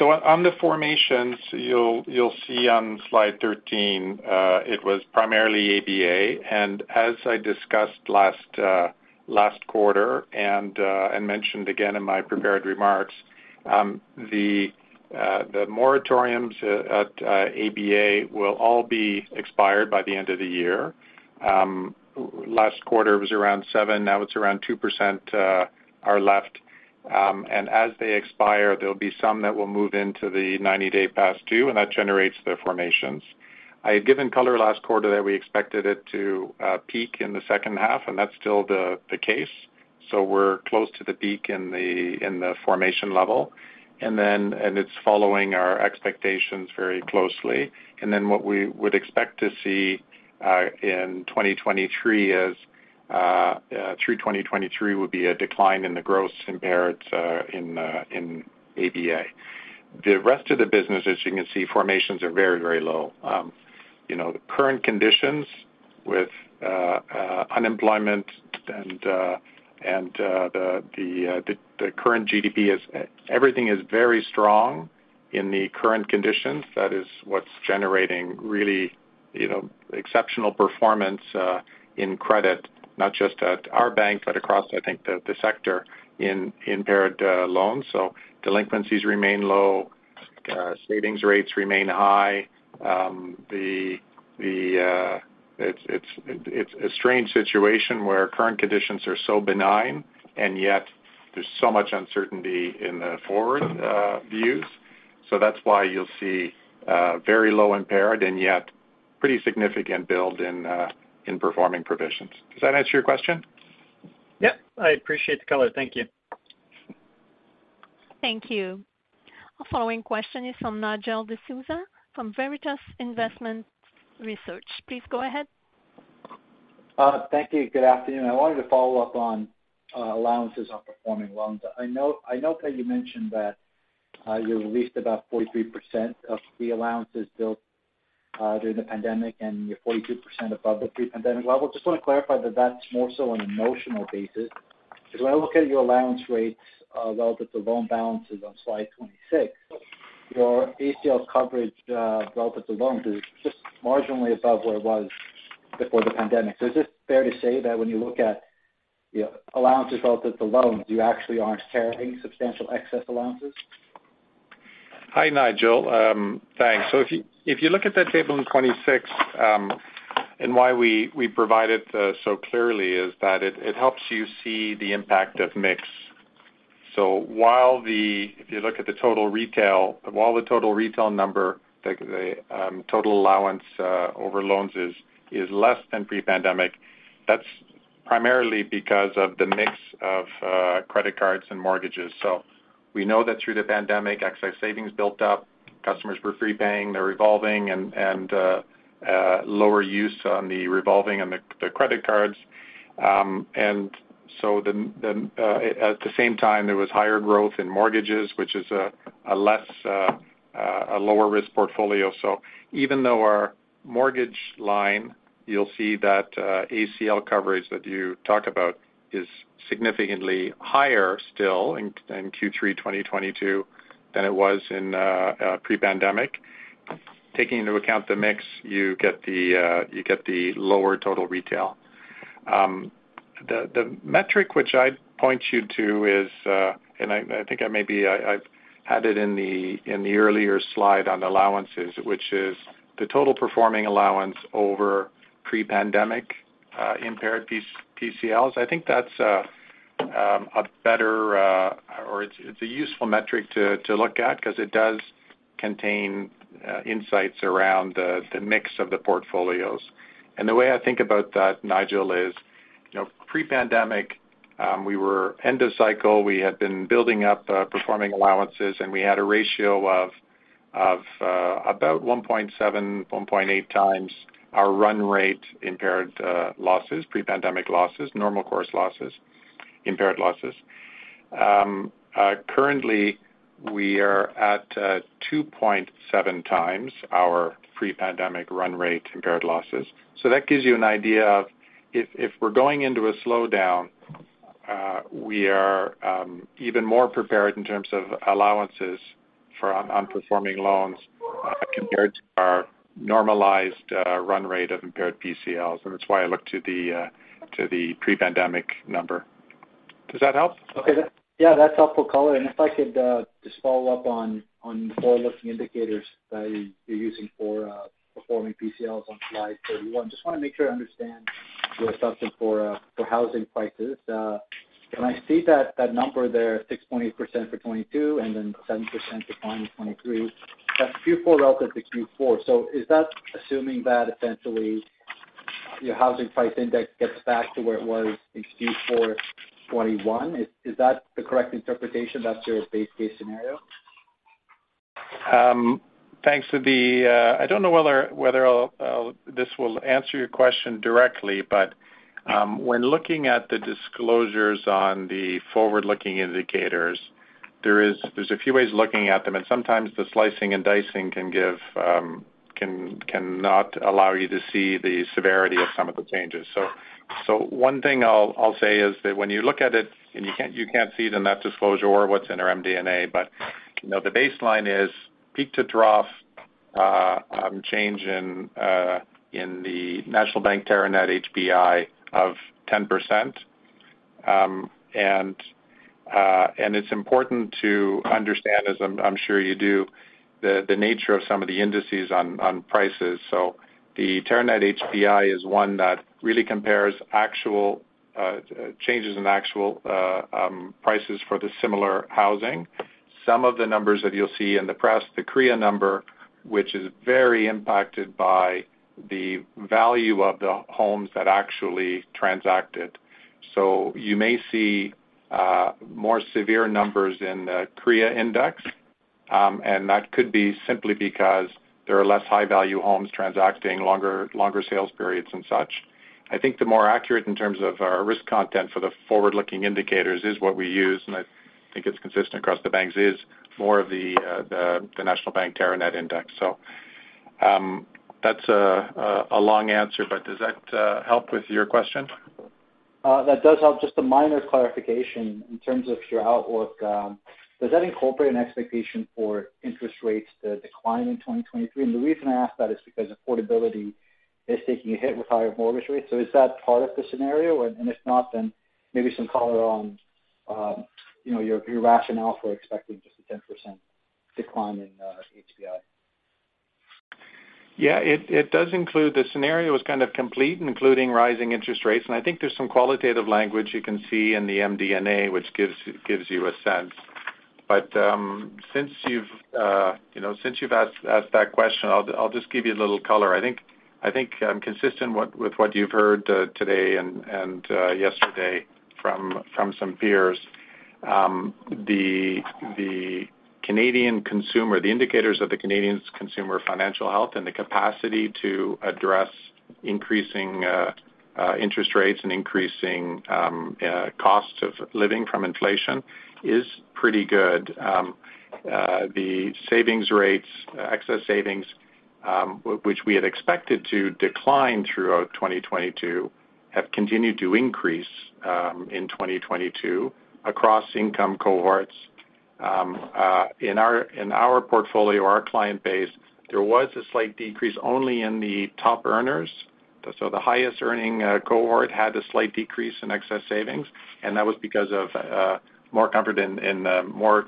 On the formations, you'll see on slide 13, it was primarily ABA. As I discussed last quarter and mentioned again in my prepared remarks, the moratoriums at ABA will all be expired by the end of the year. Last quarter was around 7, now it's around 2% are left. And as they expire, there'll be some that will move into the 90-day past due, and that generates the formations. I had given color last quarter that we expected it to peak in the second half, and that's still the case. We're close to the peak in the formation level, and it's following our expectations very closely. What we would expect to see through 2023 would be a decline in the gross impairments in ABA. The rest of the business, as you can see, formations are very low. You know, the current conditions with unemployment and the current GDP. Everything is very strong in the current conditions. That is what's generating really, you know, exceptional performance in credit, not just at our bank, but across, I think, the sector in impaired loans. Delinquencies remain low, savings rates remain high. It's a strange situation where current conditions are so benign, and yet there's so much uncertainty in the forward views. That's why you'll see very low impaired and yet pretty significant build in performing provisions. Does that answer your question? Yep. I appreciate the color. Thank you. Thank you. Our following question is from Nigel D'Souza from Veritas Investment Research. Please go ahead. Thank you. Good afternoon. I wanted to follow up on allowances on performing loans. I know, I note that you mentioned that you released about 43% of the allowances built during the pandemic, and you're 42% above the pre-pandemic level. Just want to clarify that that's more so on an emotional basis. Because when I look at your allowance rates relative to loan balances on slide 26, your ACL coverage relative to loans is just marginally above where it was before the pandemic. Is it fair to say that when you look at your allowances relative to loans, you actually aren't carrying substantial excess allowances? Hi, Nigel. Thanks. If you look at that table on 26, and why we provide it so clearly is that it helps you see the impact of mix. If you look at the total retail number, the total allowance over loans is less than pre-pandemic. That's primarily because of the mix of credit cards and mortgages. We know that through the pandemic, excess savings built up. Customers were prepaying their revolving and lower use on the revolving and the credit cards. At the same time, there was higher growth in mortgages, which is a lower risk portfolio. Even though our mortgage line, you'll see that ACL coverage that you talk about is significantly higher still in Q3 2022 than it was in pre-pandemic. Taking into account the mix, you get the lower total retail. The metric which I'd point you to is, and I think I've had it in the earlier slide on allowances, which is the total performing allowance over pre-pandemic impaired PCLs. I think that's a better, or it's a useful metric to look at because it does contain insights around the mix of the portfolios. The way I think about that, Nigel, is, you know, pre-pandemic, we were end of cycle. We had been building up performing allowances, and we had a ratio of about 1.7-1.8 times our run rate impaired losses, pre-pandemic losses, normal course losses, impaired losses. Currently we are at 2.7 times our pre-pandemic run rate impaired losses. That gives you an idea of if we're going into a slowdown, we are even more prepared in terms of allowances for non-performing loans, compared to our normalized run rate of impaired PCLs. That's why I look to the pre-pandemic number. Does that help? Okay. Yeah, that's helpful color. If I could just follow up on forward-looking indicators that you're using for performing PCLs on slide 31. Just want to make sure I understand your assumption for housing prices. When I see that number there, 6.8% for 2022 and then 7% for 2023, that's Q4 relative to Q4. So is that assuming that essentially your housing price index gets back to where it was in Q4 2021? Is that the correct interpretation? That's your base case scenario? Thanks for the, I don't know whether this will answer your question directly, but when looking at the disclosures on the forward-looking indicators, there's a few ways of looking at them, and sometimes the slicing and dicing cannot allow you to see the severity of some of the changes. One thing I'll say is that when you look at it, and you can't see it in that disclosure or what's in our MD&A, but you know, the baseline is peak to trough change in the Teranet-National Bank HPI of 10%. It's important to understand, as I'm sure you do, the nature of some of the indices on prices. The Teranet HPI is one that really compares actual changes in actual prices for the similar housing. Some of the numbers that you'll see in the press, the CREA number, which is very impacted by the value of the homes that actually transacted. You may see more severe numbers in the CREA index, and that could be simply because there are less high value homes transacting, longer sales periods and such. I think the more accurate in terms of our risk context for the forward-looking indicators is what we use, and I think it's consistent across the banks, is more of the National Bank Teranet Index. That's a long answer, but does that help with your question? That does help. Just a minor clarification in terms of your outlook. Does that incorporate an expectation for interest rates to decline in 2023? The reason I ask that is because affordability is taking a hit with higher mortgage rates. Is that part of the scenario? If not, then maybe some color on, you know, your rationale for expecting just a 10% decline in HPI. Yeah. It does include the scenario is kind of complete, including rising interest rates. I think there's some qualitative language you can see in the MD&A, which gives you a sense. Since you know you've asked that question, I'll just give you a little color. I think consistent with what you've heard today and yesterday from some peers, the Canadian consumer, the indicators of the Canadian consumer's financial health and the capacity to address increasing interest rates and increasing costs of living from inflation is pretty good. The savings rates, excess savings, which we had expected to decline throughout 2022 have continued to increase in 2022 across income cohorts. In our portfolio, our client base, there was a slight decrease only in the top earners. The highest earning cohort had a slight decrease in excess savings, and that was because of more comfort in more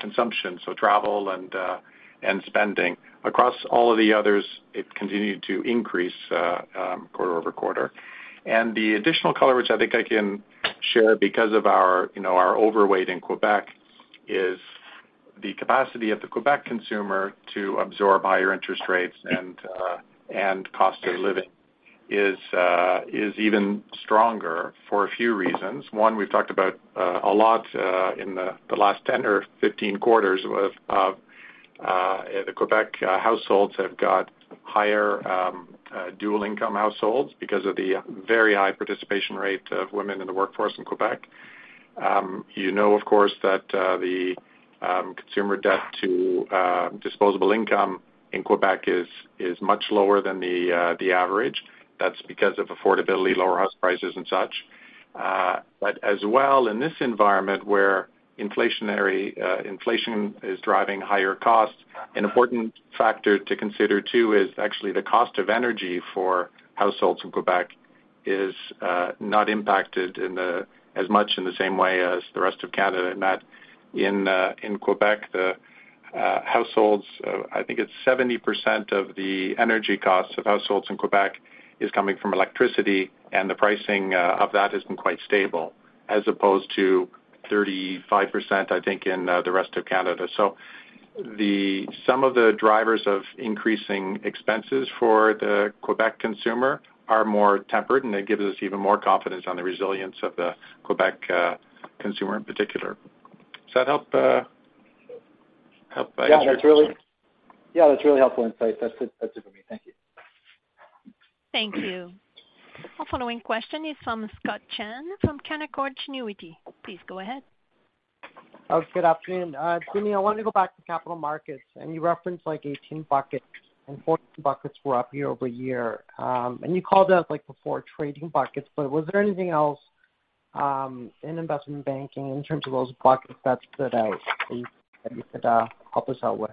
consumption, so travel and spending. Across all of the others, it continued to increase quarter-over-quarter. The additional color, which I think I can share because of our, you know, our overweight in Quebec, is the capacity of the Quebec consumer to absorb higher interest rates and cost of living is even stronger for a few reasons. We've talked about a lot in the last 10 or 15 quarters that Quebec households have got higher dual income households because of the very high participation rate of women in the workforce in Quebec. You know, of course, that the consumer debt to disposable income in Quebec is much lower than the average. That's because of affordability, lower house prices and such. In this environment where inflation is driving higher costs, an important factor to consider too is actually the cost of energy for households in Quebec is not impacted as much in the same way as the rest of Canada, in that in Quebec, households, I think it's 70% of the energy costs of households in Quebec is coming from electricity, and the pricing of that has been quite stable, as opposed to 35%, I think, in the rest of Canada. Some of the drivers of increasing expenses for the Quebec consumer are more tempered, and it gives us even more confidence on the resilience of the Quebec consumer in particular. Does that help answer your question? Yeah, that's really helpful insight. That's good. That's it for me. Thank you. Thank you. Our following question is from Scott Chan from Canaccord Genuity. Please go ahead. Oh, good afternoon. Denis, I wanted to go back to capital markets, and you referenced like 18 buckets, and 14 buckets were up year-over-year. You called out, like before, trading buckets, but was there anything else in investment banking in terms of those buckets that stood out that you could help us out with?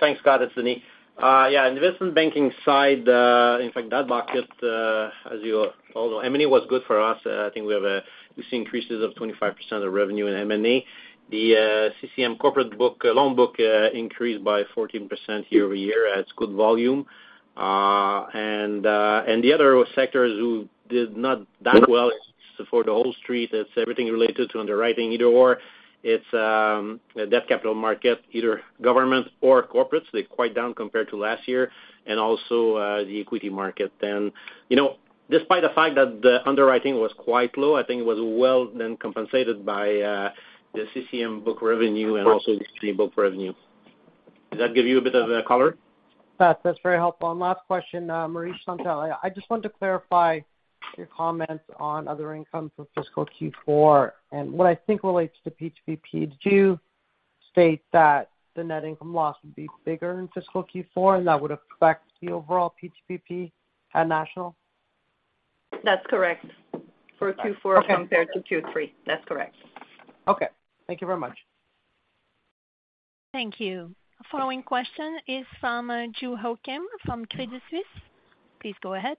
Thanks, Scott. It's Denis. Yeah, investment banking side, in fact that bucket, as you all know, M&A was good for us. I think we have a, we've seen increases of 25% of revenue in M&A. The CCM corporate book, loan book, increased by 14% year-over-year, adds good volume. And the other sectors that did not do that well is for the whole street, it's everything related to underwriting either or. It's a debt capital market, either government or corporates, they're quite down compared to last year, and also the equity market. You know, despite the fact that the underwriting was quite low, I think it was well then compensated by the CCM book revenue and also the street book revenue. Does that give you a bit of a color? That, that's very helpful. Last question, Marie Chantal. I just wanted to clarify your comments on other income for fiscal Q4 and what I think relates to PTPP. Did you state that the net income loss would be bigger in fiscal Q4, and that would affect the overall PTPP at National? That's correct. For Q4 compared to Q3. That's correct. Okay. Thank you very much. Thank you. Following question is from Joo Ho Kim from Credit Suisse. Please go ahead.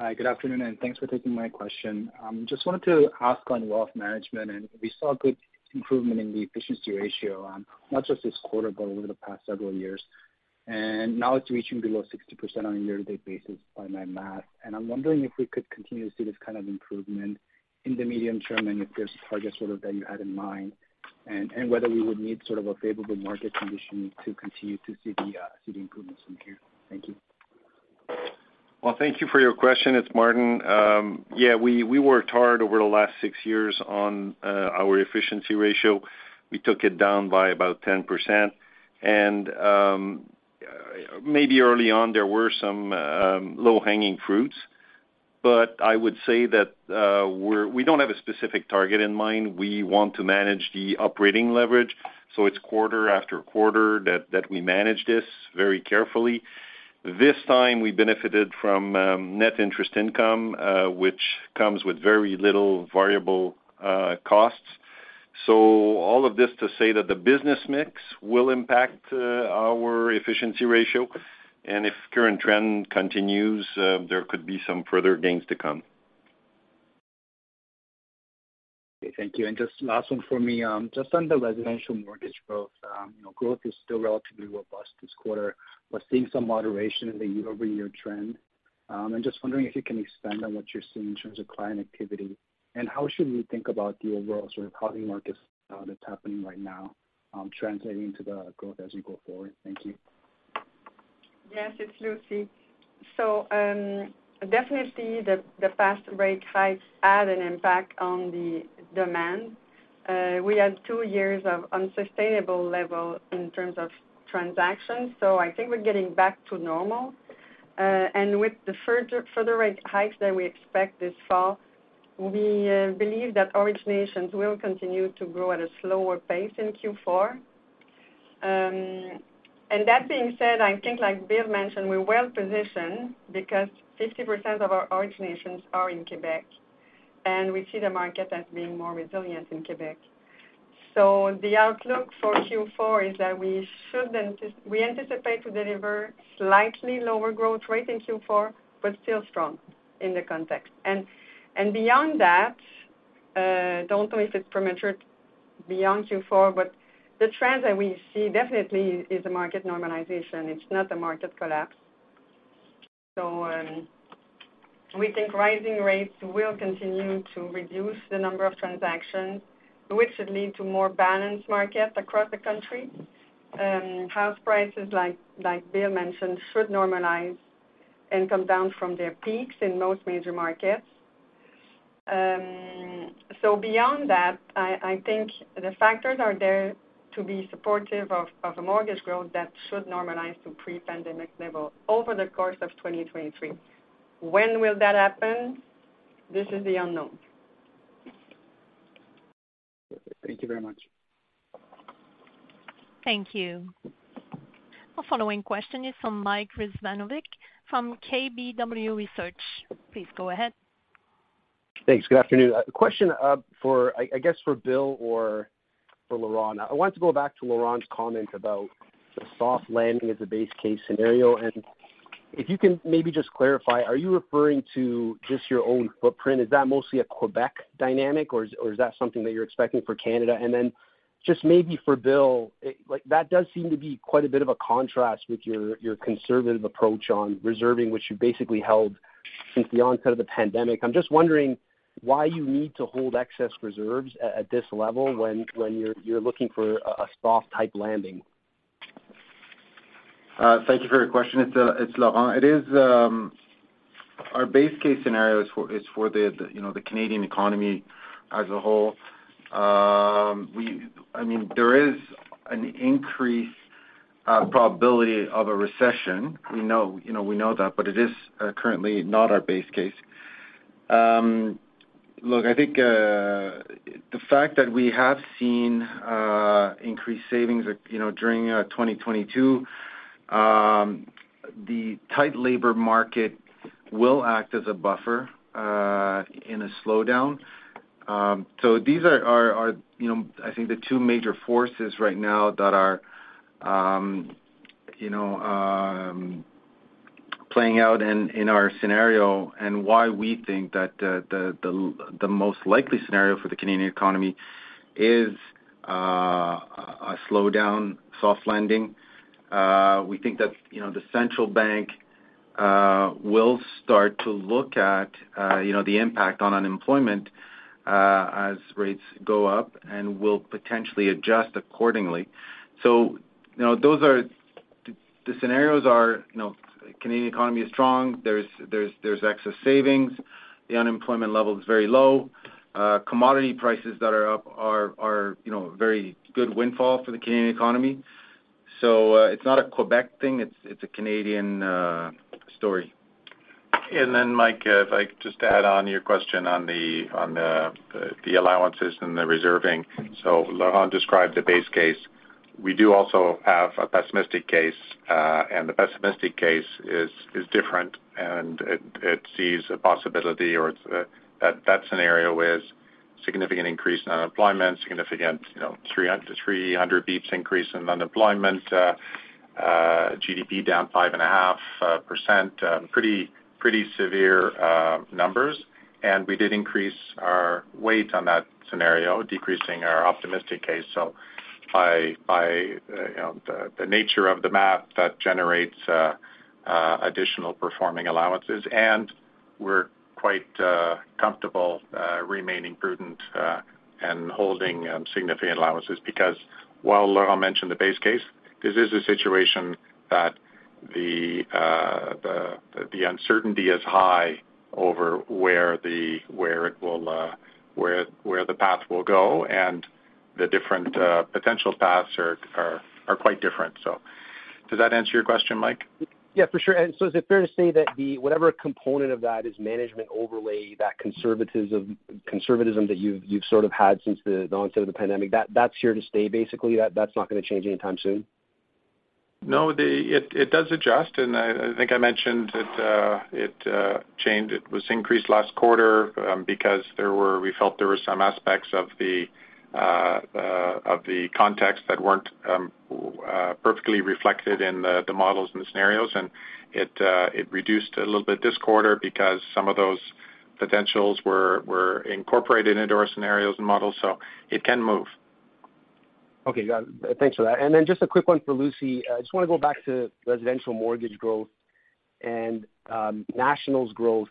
Hi, good afternoon, and thanks for taking my question. Just wanted to ask on wealth management, and we saw a good improvement in the efficiency ratio, not just this quarter, but over the past several years. Now it's reaching below 60% on a year-to-date basis by my math. I'm wondering if we could continue to see this kind of improvement in the medium term, and if there's a target sort of that you had in mind, and whether we would need sort of a favorable market condition to continue to see the improvements in here. Thank you. Well, thank you for your question. It's Martin. Yeah, we worked hard over the last six years on our efficiency ratio. We took it down by about 10%. Maybe early on, there were some low-hanging fruits. I would say that we don't have a specific target in mind. We want to manage the operating leverage, so it's quarter after quarter that we manage this very carefully. This time we benefited from net interest income, which comes with very little variable costs. All of this to say that the business mix will impact our efficiency ratio. If current trend continues, there could be some further gains to come. Okay, thank you. Just last one for me. Just on the residential mortgage growth, you know, growth is still relatively robust this quarter, but seeing some moderation in the year-over-year trend. I'm just wondering if you can expand on what you're seeing in terms of client activity. How should we think about the overall sort of housing market that's happening right now, translating to the growth as you go forward? Thank you. Yes, it's Lucie. Definitely the fast rate hikes had an impact on the demand. We had two years of unsustainable level in terms of transactions, so I think we're getting back to normal. With the further rate hikes that we expect this fall, we believe that originations will continue to grow at a slower pace in Q4. That being said, I think like Bill mentioned, we're well positioned because 50% of our originations are in Quebec, and we see the market as being more resilient in Quebec. The outlook for Q4 is that we anticipate to deliver slightly lower growth rate in Q4, but still strong in the context. Beyond that, don't know if it's premature beyond Q4, but the trends that we see definitely is a market normalization. It's not a market collapse. We think rising rates will continue to reduce the number of transactions, which should lead to more balanced market across the country. House prices, like Bill mentioned, should normalize and come down from their peaks in most major markets. Beyond that, I think the factors are there to be supportive of a mortgage growth that should normalize to pre-pandemic level over the course of 2023. When will that happen? This is the unknown. Thank you very much. Thank you. Our following question is from Mike Rizvanovic from KBW Research. Please go ahead. Thanks. Good afternoon. A question for I guess for Bill or for Laurent. I wanted to go back to Laurent's comment about the soft landing as a base case scenario. If you can maybe just clarify, are you referring to just your own footprint? Is that mostly a Québec dynamic or is that something that you're expecting for Canada? Then just maybe for Bill, it like that does seem to be quite a bit of a contrast with your conservative approach on reserving, which you basically held since the onset of the pandemic. I'm just wondering why you need to hold excess reserves at this level when you're looking for a soft type landing. Thank you for your question. It's Laurent. It is our base case scenario for the Canadian economy as a whole. I mean, there is an increased probability of a recession. We know that, but it is currently not our base case. Look, I think the fact that we have seen increased savings during 2022, the tight labor market will act as a buffer in a slowdown. These are, you know, I think the two major forces right now that are playing out in our scenario and why we think that the most likely scenario for the Canadian economy is a slowdown soft landing. We think that, you know, the central bank will start to look at, you know, the impact on unemployment, as rates go up and will potentially adjust accordingly. You know, those are the scenarios, you know, Canadian economy is strong. There's excess savings. The unemployment level is very low. Commodity prices that are up are you know very good windfall for the Canadian economy. It's not a Quebec thing. It's a Canadian story. Mike, if I could just add on to your question on the allowances and the reserving. Laurent described the base case. We do also have a pessimistic case, and the pessimistic case is different, and it sees a possibility or it's that scenario is significant increase in unemployment, significant, you know, 300 basis points increase in unemployment, GDP down 5.5%, pretty severe numbers. We did increase our weight on that scenario, decreasing our optimistic case. By you know the nature of the math that generates additional performing allowances. We're quite comfortable remaining prudent and holding significant allowances because while Laurent mentioned the base case, this is a situation that the uncertainty is high over where the path will go and the different potential paths are quite different. Does that answer your question, Mike? Yeah, for sure. Is it fair to say that whatever component of that is management overlay, that conservatism that you've sort of had since the onset of the pandemic, that's here to stay basically, that's not gonna change anytime soon? No, it does adjust. I think I mentioned that it changed. It was increased last quarter because we felt there were some aspects of the context that weren't perfectly reflected in the models and the scenarios. It reduced a little bit this quarter because some of those potentials were incorporated into our scenarios and models, so it can move. Okay, got it. Thanks for that. Just a quick one for Lucie. I just wanna go back to residential mortgage growth and National's growth.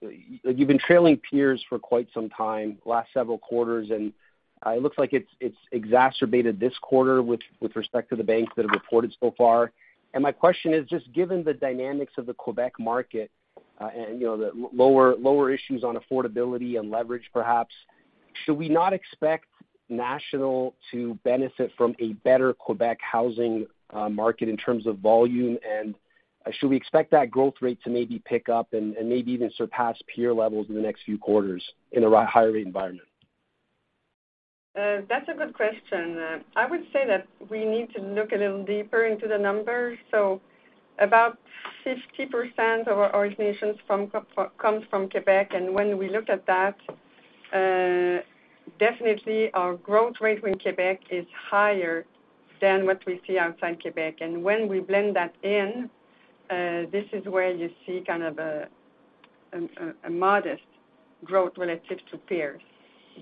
You've been trailing peers for quite some time last several quarters, and it looks like it's exacerbated this quarter with respect to the banks that have reported so far. My question is, just given the dynamics of the Quebec market, and you know, the lower issues on affordability and leverage perhaps, should we not expect National to benefit from a better Quebec housing market in terms of volume? Should we expect that growth rate to maybe pick up and maybe even surpass peer levels in the next few quarters in a higher rate environment? That's a good question. I would say that we need to look a little deeper into the numbers. About 50% of our originations comes from Quebec, and when we look at that, definitely our growth rate in Quebec is higher than what we see outside Quebec. When we blend that in, this is where you see kind of a modest growth relative to peers.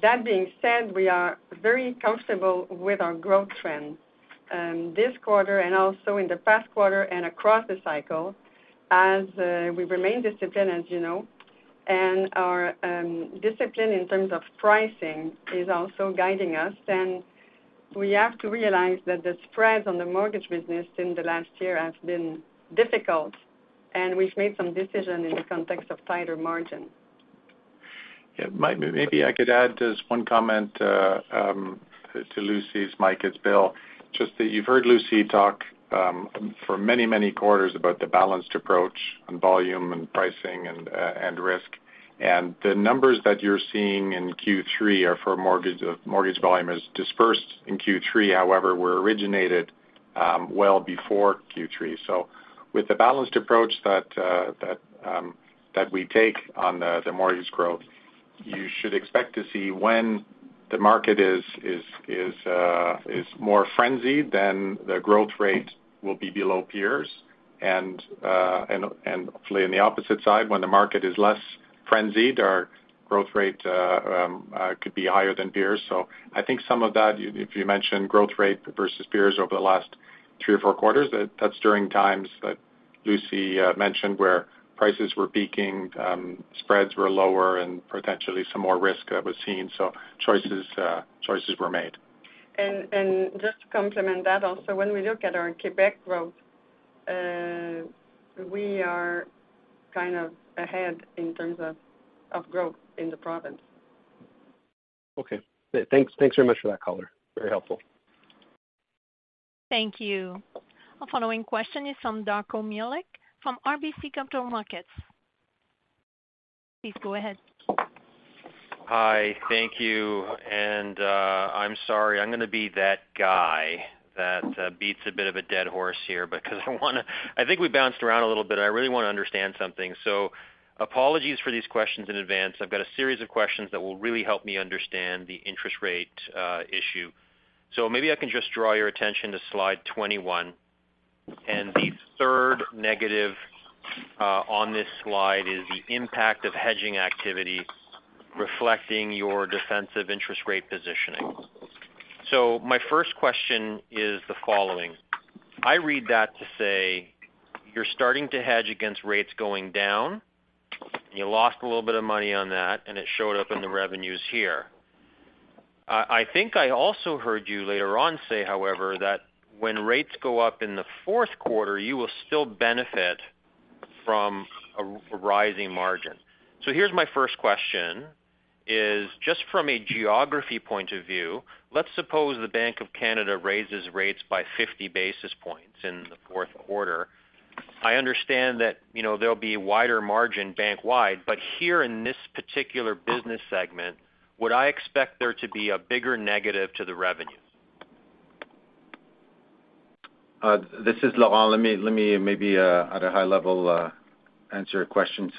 That being said, we are very comfortable with our growth trend, this quarter and also in the past quarter and across the cycle as we remain disciplined, as you know. Our discipline in terms of pricing is also guiding us. We have to realize that the spreads on the mortgage business in the last year have been difficult, and we've made some decisions in the context of tighter margins. Yeah. Maybe I could add just one comment to Lucie's. Mike, it's Bill. Just that you've heard Lucie talk for many quarters about the balanced approach on volume and pricing and risk. The numbers that you're seeing in Q3 are for mortgage. Mortgage volumes disbursed in Q3 were originated well before Q3. With the balanced approach that we take on the mortgage growth, you should expect to see when the market is more frenzied, the growth rate will be below peers. Hopefully on the opposite side, when the market is less frenzied, our growth rate could be higher than peers. I think some of that, if you mentioned growth rate versus peers over the last three or four quarters, that's during times that Lucie mentioned where prices were peaking, spreads were lower and potentially some more risk was seen. Choices were made. Just to complement that also, when we look at our Quebec growth, we are kind of ahead in terms of growth in the province. Okay. Thanks. Thanks very much for that color. Very helpful. Thank you. Our following question is from Darko Mihelic, from RBC Capital Markets. Please go ahead. Hi. Thank you. I'm sorry, I'm gonna be that guy that beats a bit of a dead horse here because I wanna I think we bounced around a little bit, I really wanna understand something. Apologies for these questions in advance. I've got a series of questions that will really help me understand the interest rate issue. Maybe I can just draw your attention to slide 21. The third negative on this slide is the impact of hedging activity reflecting your defensive interest rate positioning. My first question is the following: I read that to say you're starting to hedge against rates going down, and you lost a little bit of money on that, and it showed up in the revenues here. I think I also heard you later on say, however, that when rates go up in the fourth quarter, you will still benefit from a rising margin. Here's my first question, is just from a geography point of view, let's suppose the Bank of Canada raises rates by 50 basis points in the fourth quarter. I understand that, you know, there'll be wider margin bank-wide, but here in this particular business segment, would I expect there to be a bigger negative to the revenues? This is Laurent. Let me maybe, at a high level, answer your question.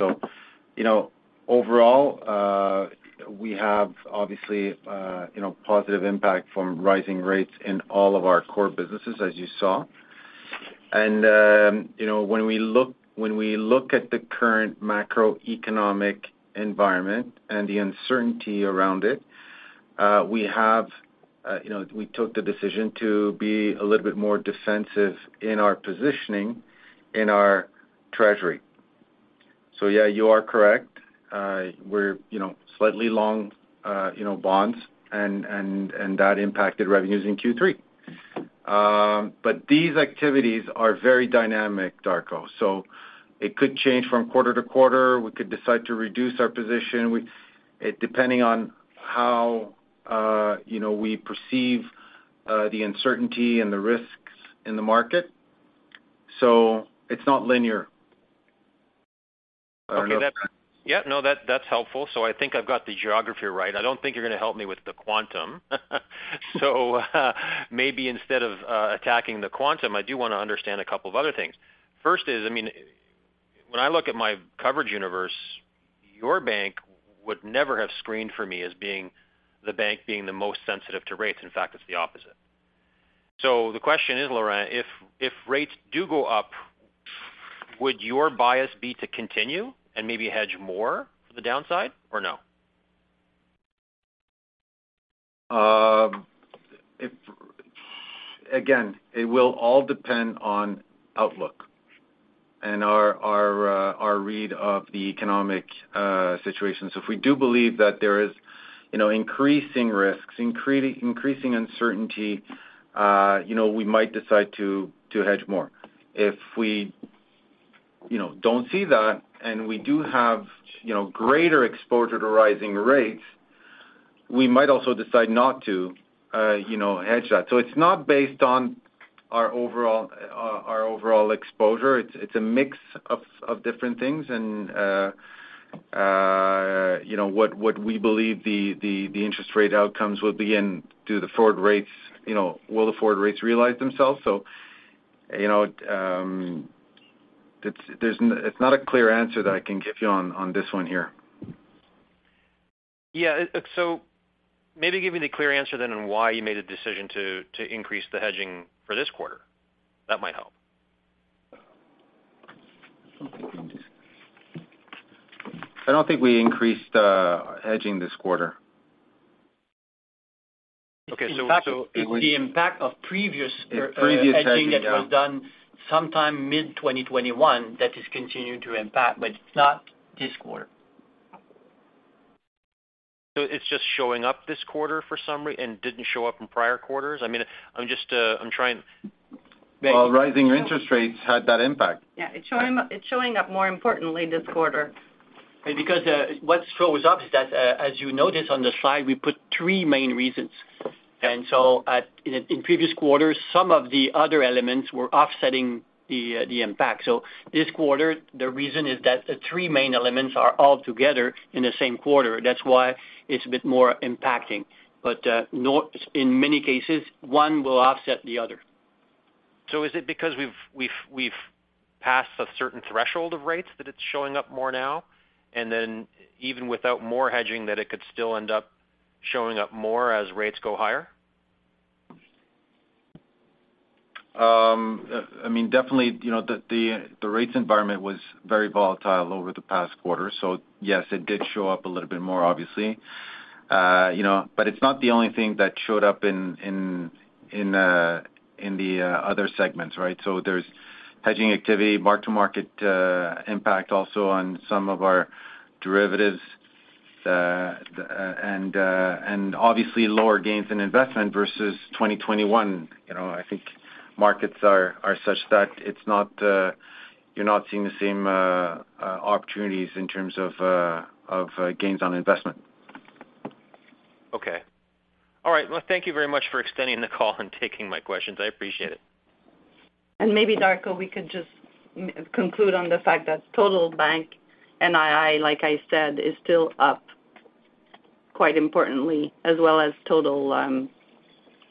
You know, overall, We have obviously positive impact from rising rates in all of our core businesses, as you saw. When we look at the current macroeconomic environment and the uncertainty around it, we took the decision to be a little bit more defensive in our positioning in our treasury. Yeah, you are correct. We're slightly long bonds, and that impacted revenues in Q3. But these activities are very dynamic, Darko, so it could change from quarter to quarter. We could decide to reduce our position. Depending on how we perceive the uncertainty and the risks in the market. It's not linear. Okay. That's helpful. I think I've got the geography right. I don't think you're gonna help me with the quantum. Maybe instead of attacking the quantum, I do wanna understand a couple of other things. First is, I mean, when I look at my coverage universe, your bank would never have screened for me as being the most sensitive to rates. In fact, it's the opposite. The question is, Laurent, if rates do go up, would your bias be to continue and maybe hedge more for the downside or no? Again, it will all depend on outlook and our read of the economic situation. If we do believe that there is, you know, increasing risks, increasing uncertainty, you know, we might decide to hedge more. If we, you know, don't see that, and we do have, you know, greater exposure to rising rates, we might also decide not to, you know, hedge that. It's not based on our overall exposure. It's a mix of different things and, you know, what we believe the interest rate outcomes will be and do the forward rates, you know, will the forward rates realize themselves? It's not a clear answer that I can give you on this one here. Yeah. Maybe give me the clear answer then on why you made a decision to increase the hedging for this quarter. That might help. I don't think we increased hedging this quarter. Okay. It's the impact of previous. Previous hedging, yeah. Hedging that was done sometime mid-2021 that is continuing to impact, but it's not this quarter. It's just showing up this quarter for summary and didn't show up in prior quarters? I mean, I'm just, I'm trying- Well, rising interest rates had that impact. Yeah. It's showing up more importantly this quarter. Because what shows up is that, as you notice on the slide, we put three main reasons. In previous quarters, some of the other elements were offsetting the impact. This quarter, the reason is that the three main elements are all together in the same quarter. That's why it's a bit more impacting. In many cases, one will offset the other. Is it because we've passed a certain threshold of rates that it's showing up more now? Even without more hedging, that it could still end up showing up more as rates go higher? I mean, definitely, you know, the rates environment was very volatile over the past quarter. Yes, it did show up a little bit more obviously. It's not the only thing that showed up in other segments, right? There's hedging activity, mark-to-market impact also on some of our derivatives. Obviously lower gains in investment versus 2021. You know, I think markets are such that it's not, you're not seeing the same opportunities in terms of gains on investment. Okay. All right. Well, thank you very much for extending the call and taking my questions. I appreciate it. Maybe, Darko, we could just conclude on the fact that total bank NII, like I said, is still up quite importantly as well as total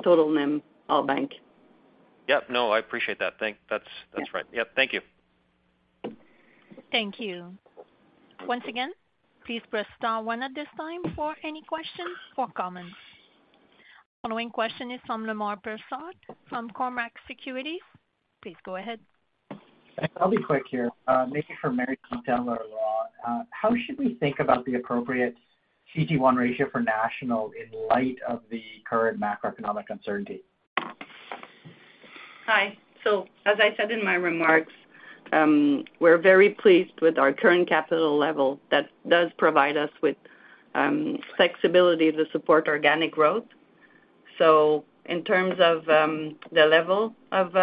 NIM all bank. Yep. No, I appreciate that. That's right. Yeah. Yep. Thank you. Thank you. Once again, please press star one at this time for any questions or comments. Following question is from Lemar Persad, from Cormark Securities. Please go ahead. I'll be quick here. Maybe for Marie-Chantal or Laurent. How should we think about the appropriate CET1 ratio for National in light of the current macroeconomic uncertainty? Hi. As I said in my remarks, we're very pleased with our current capital level that does provide us with flexibility to support organic growth. In terms of the level of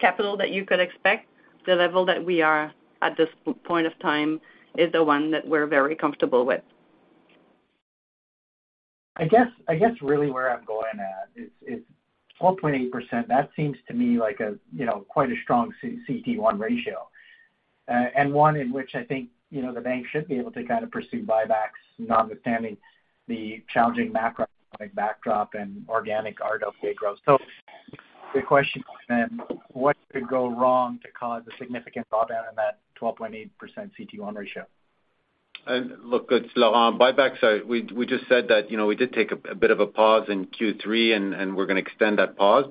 capital that you could expect, the level that we are at this point of time is the one that we're very comfortable with. I guess really where I'm going at is 12.8%, that seems to me like a, you know, quite a strong CET1 ratio. And one in which I think, you know, the bank should be able to kind of pursue buybacks, notwithstanding the challenging macroeconomic backdrop and organic RWA growth. The question then, what could go wrong to cause a significant drawdown in that 12.8% CET1 ratio? Look, it's Laurent. Buybacks, we just said that, you know, we did take a bit of a pause in Q3 and we're gonna extend that pause.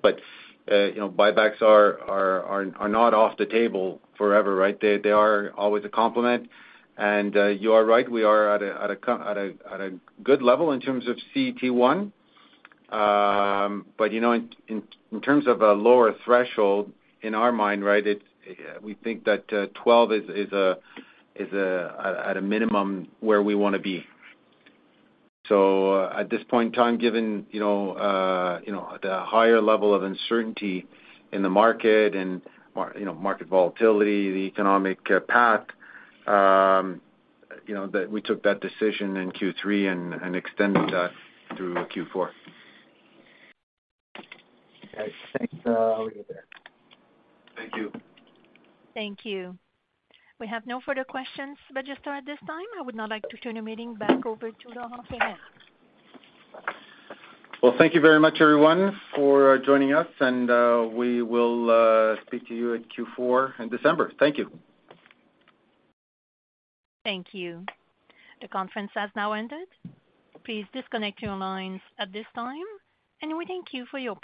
You know, buybacks are not off the table forever, right? They are always a complement. You are right, we are at a good level in terms of CET1. You know, in terms of a lower threshold, in our mind, right, it's we think that 12 is a minimum where we wanna be. At this point in time, given you know the higher level of uncertainty in the market and, you know, market volatility, the economic path, you know that we took that decision in Q3 and extended that through Q4. Okay. Thanks. I'll leave it there. Thank you. Thank you. We have no further questions registered at this time. I would now like to turn the meeting back over to Laurent Ferreira. Well, thank you very much everyone for joining us, and we will speak to you at Q4 in December. Thank you. Thank you. The conference has now ended. Please disconnect your lines at this time, and we thank you for your participation.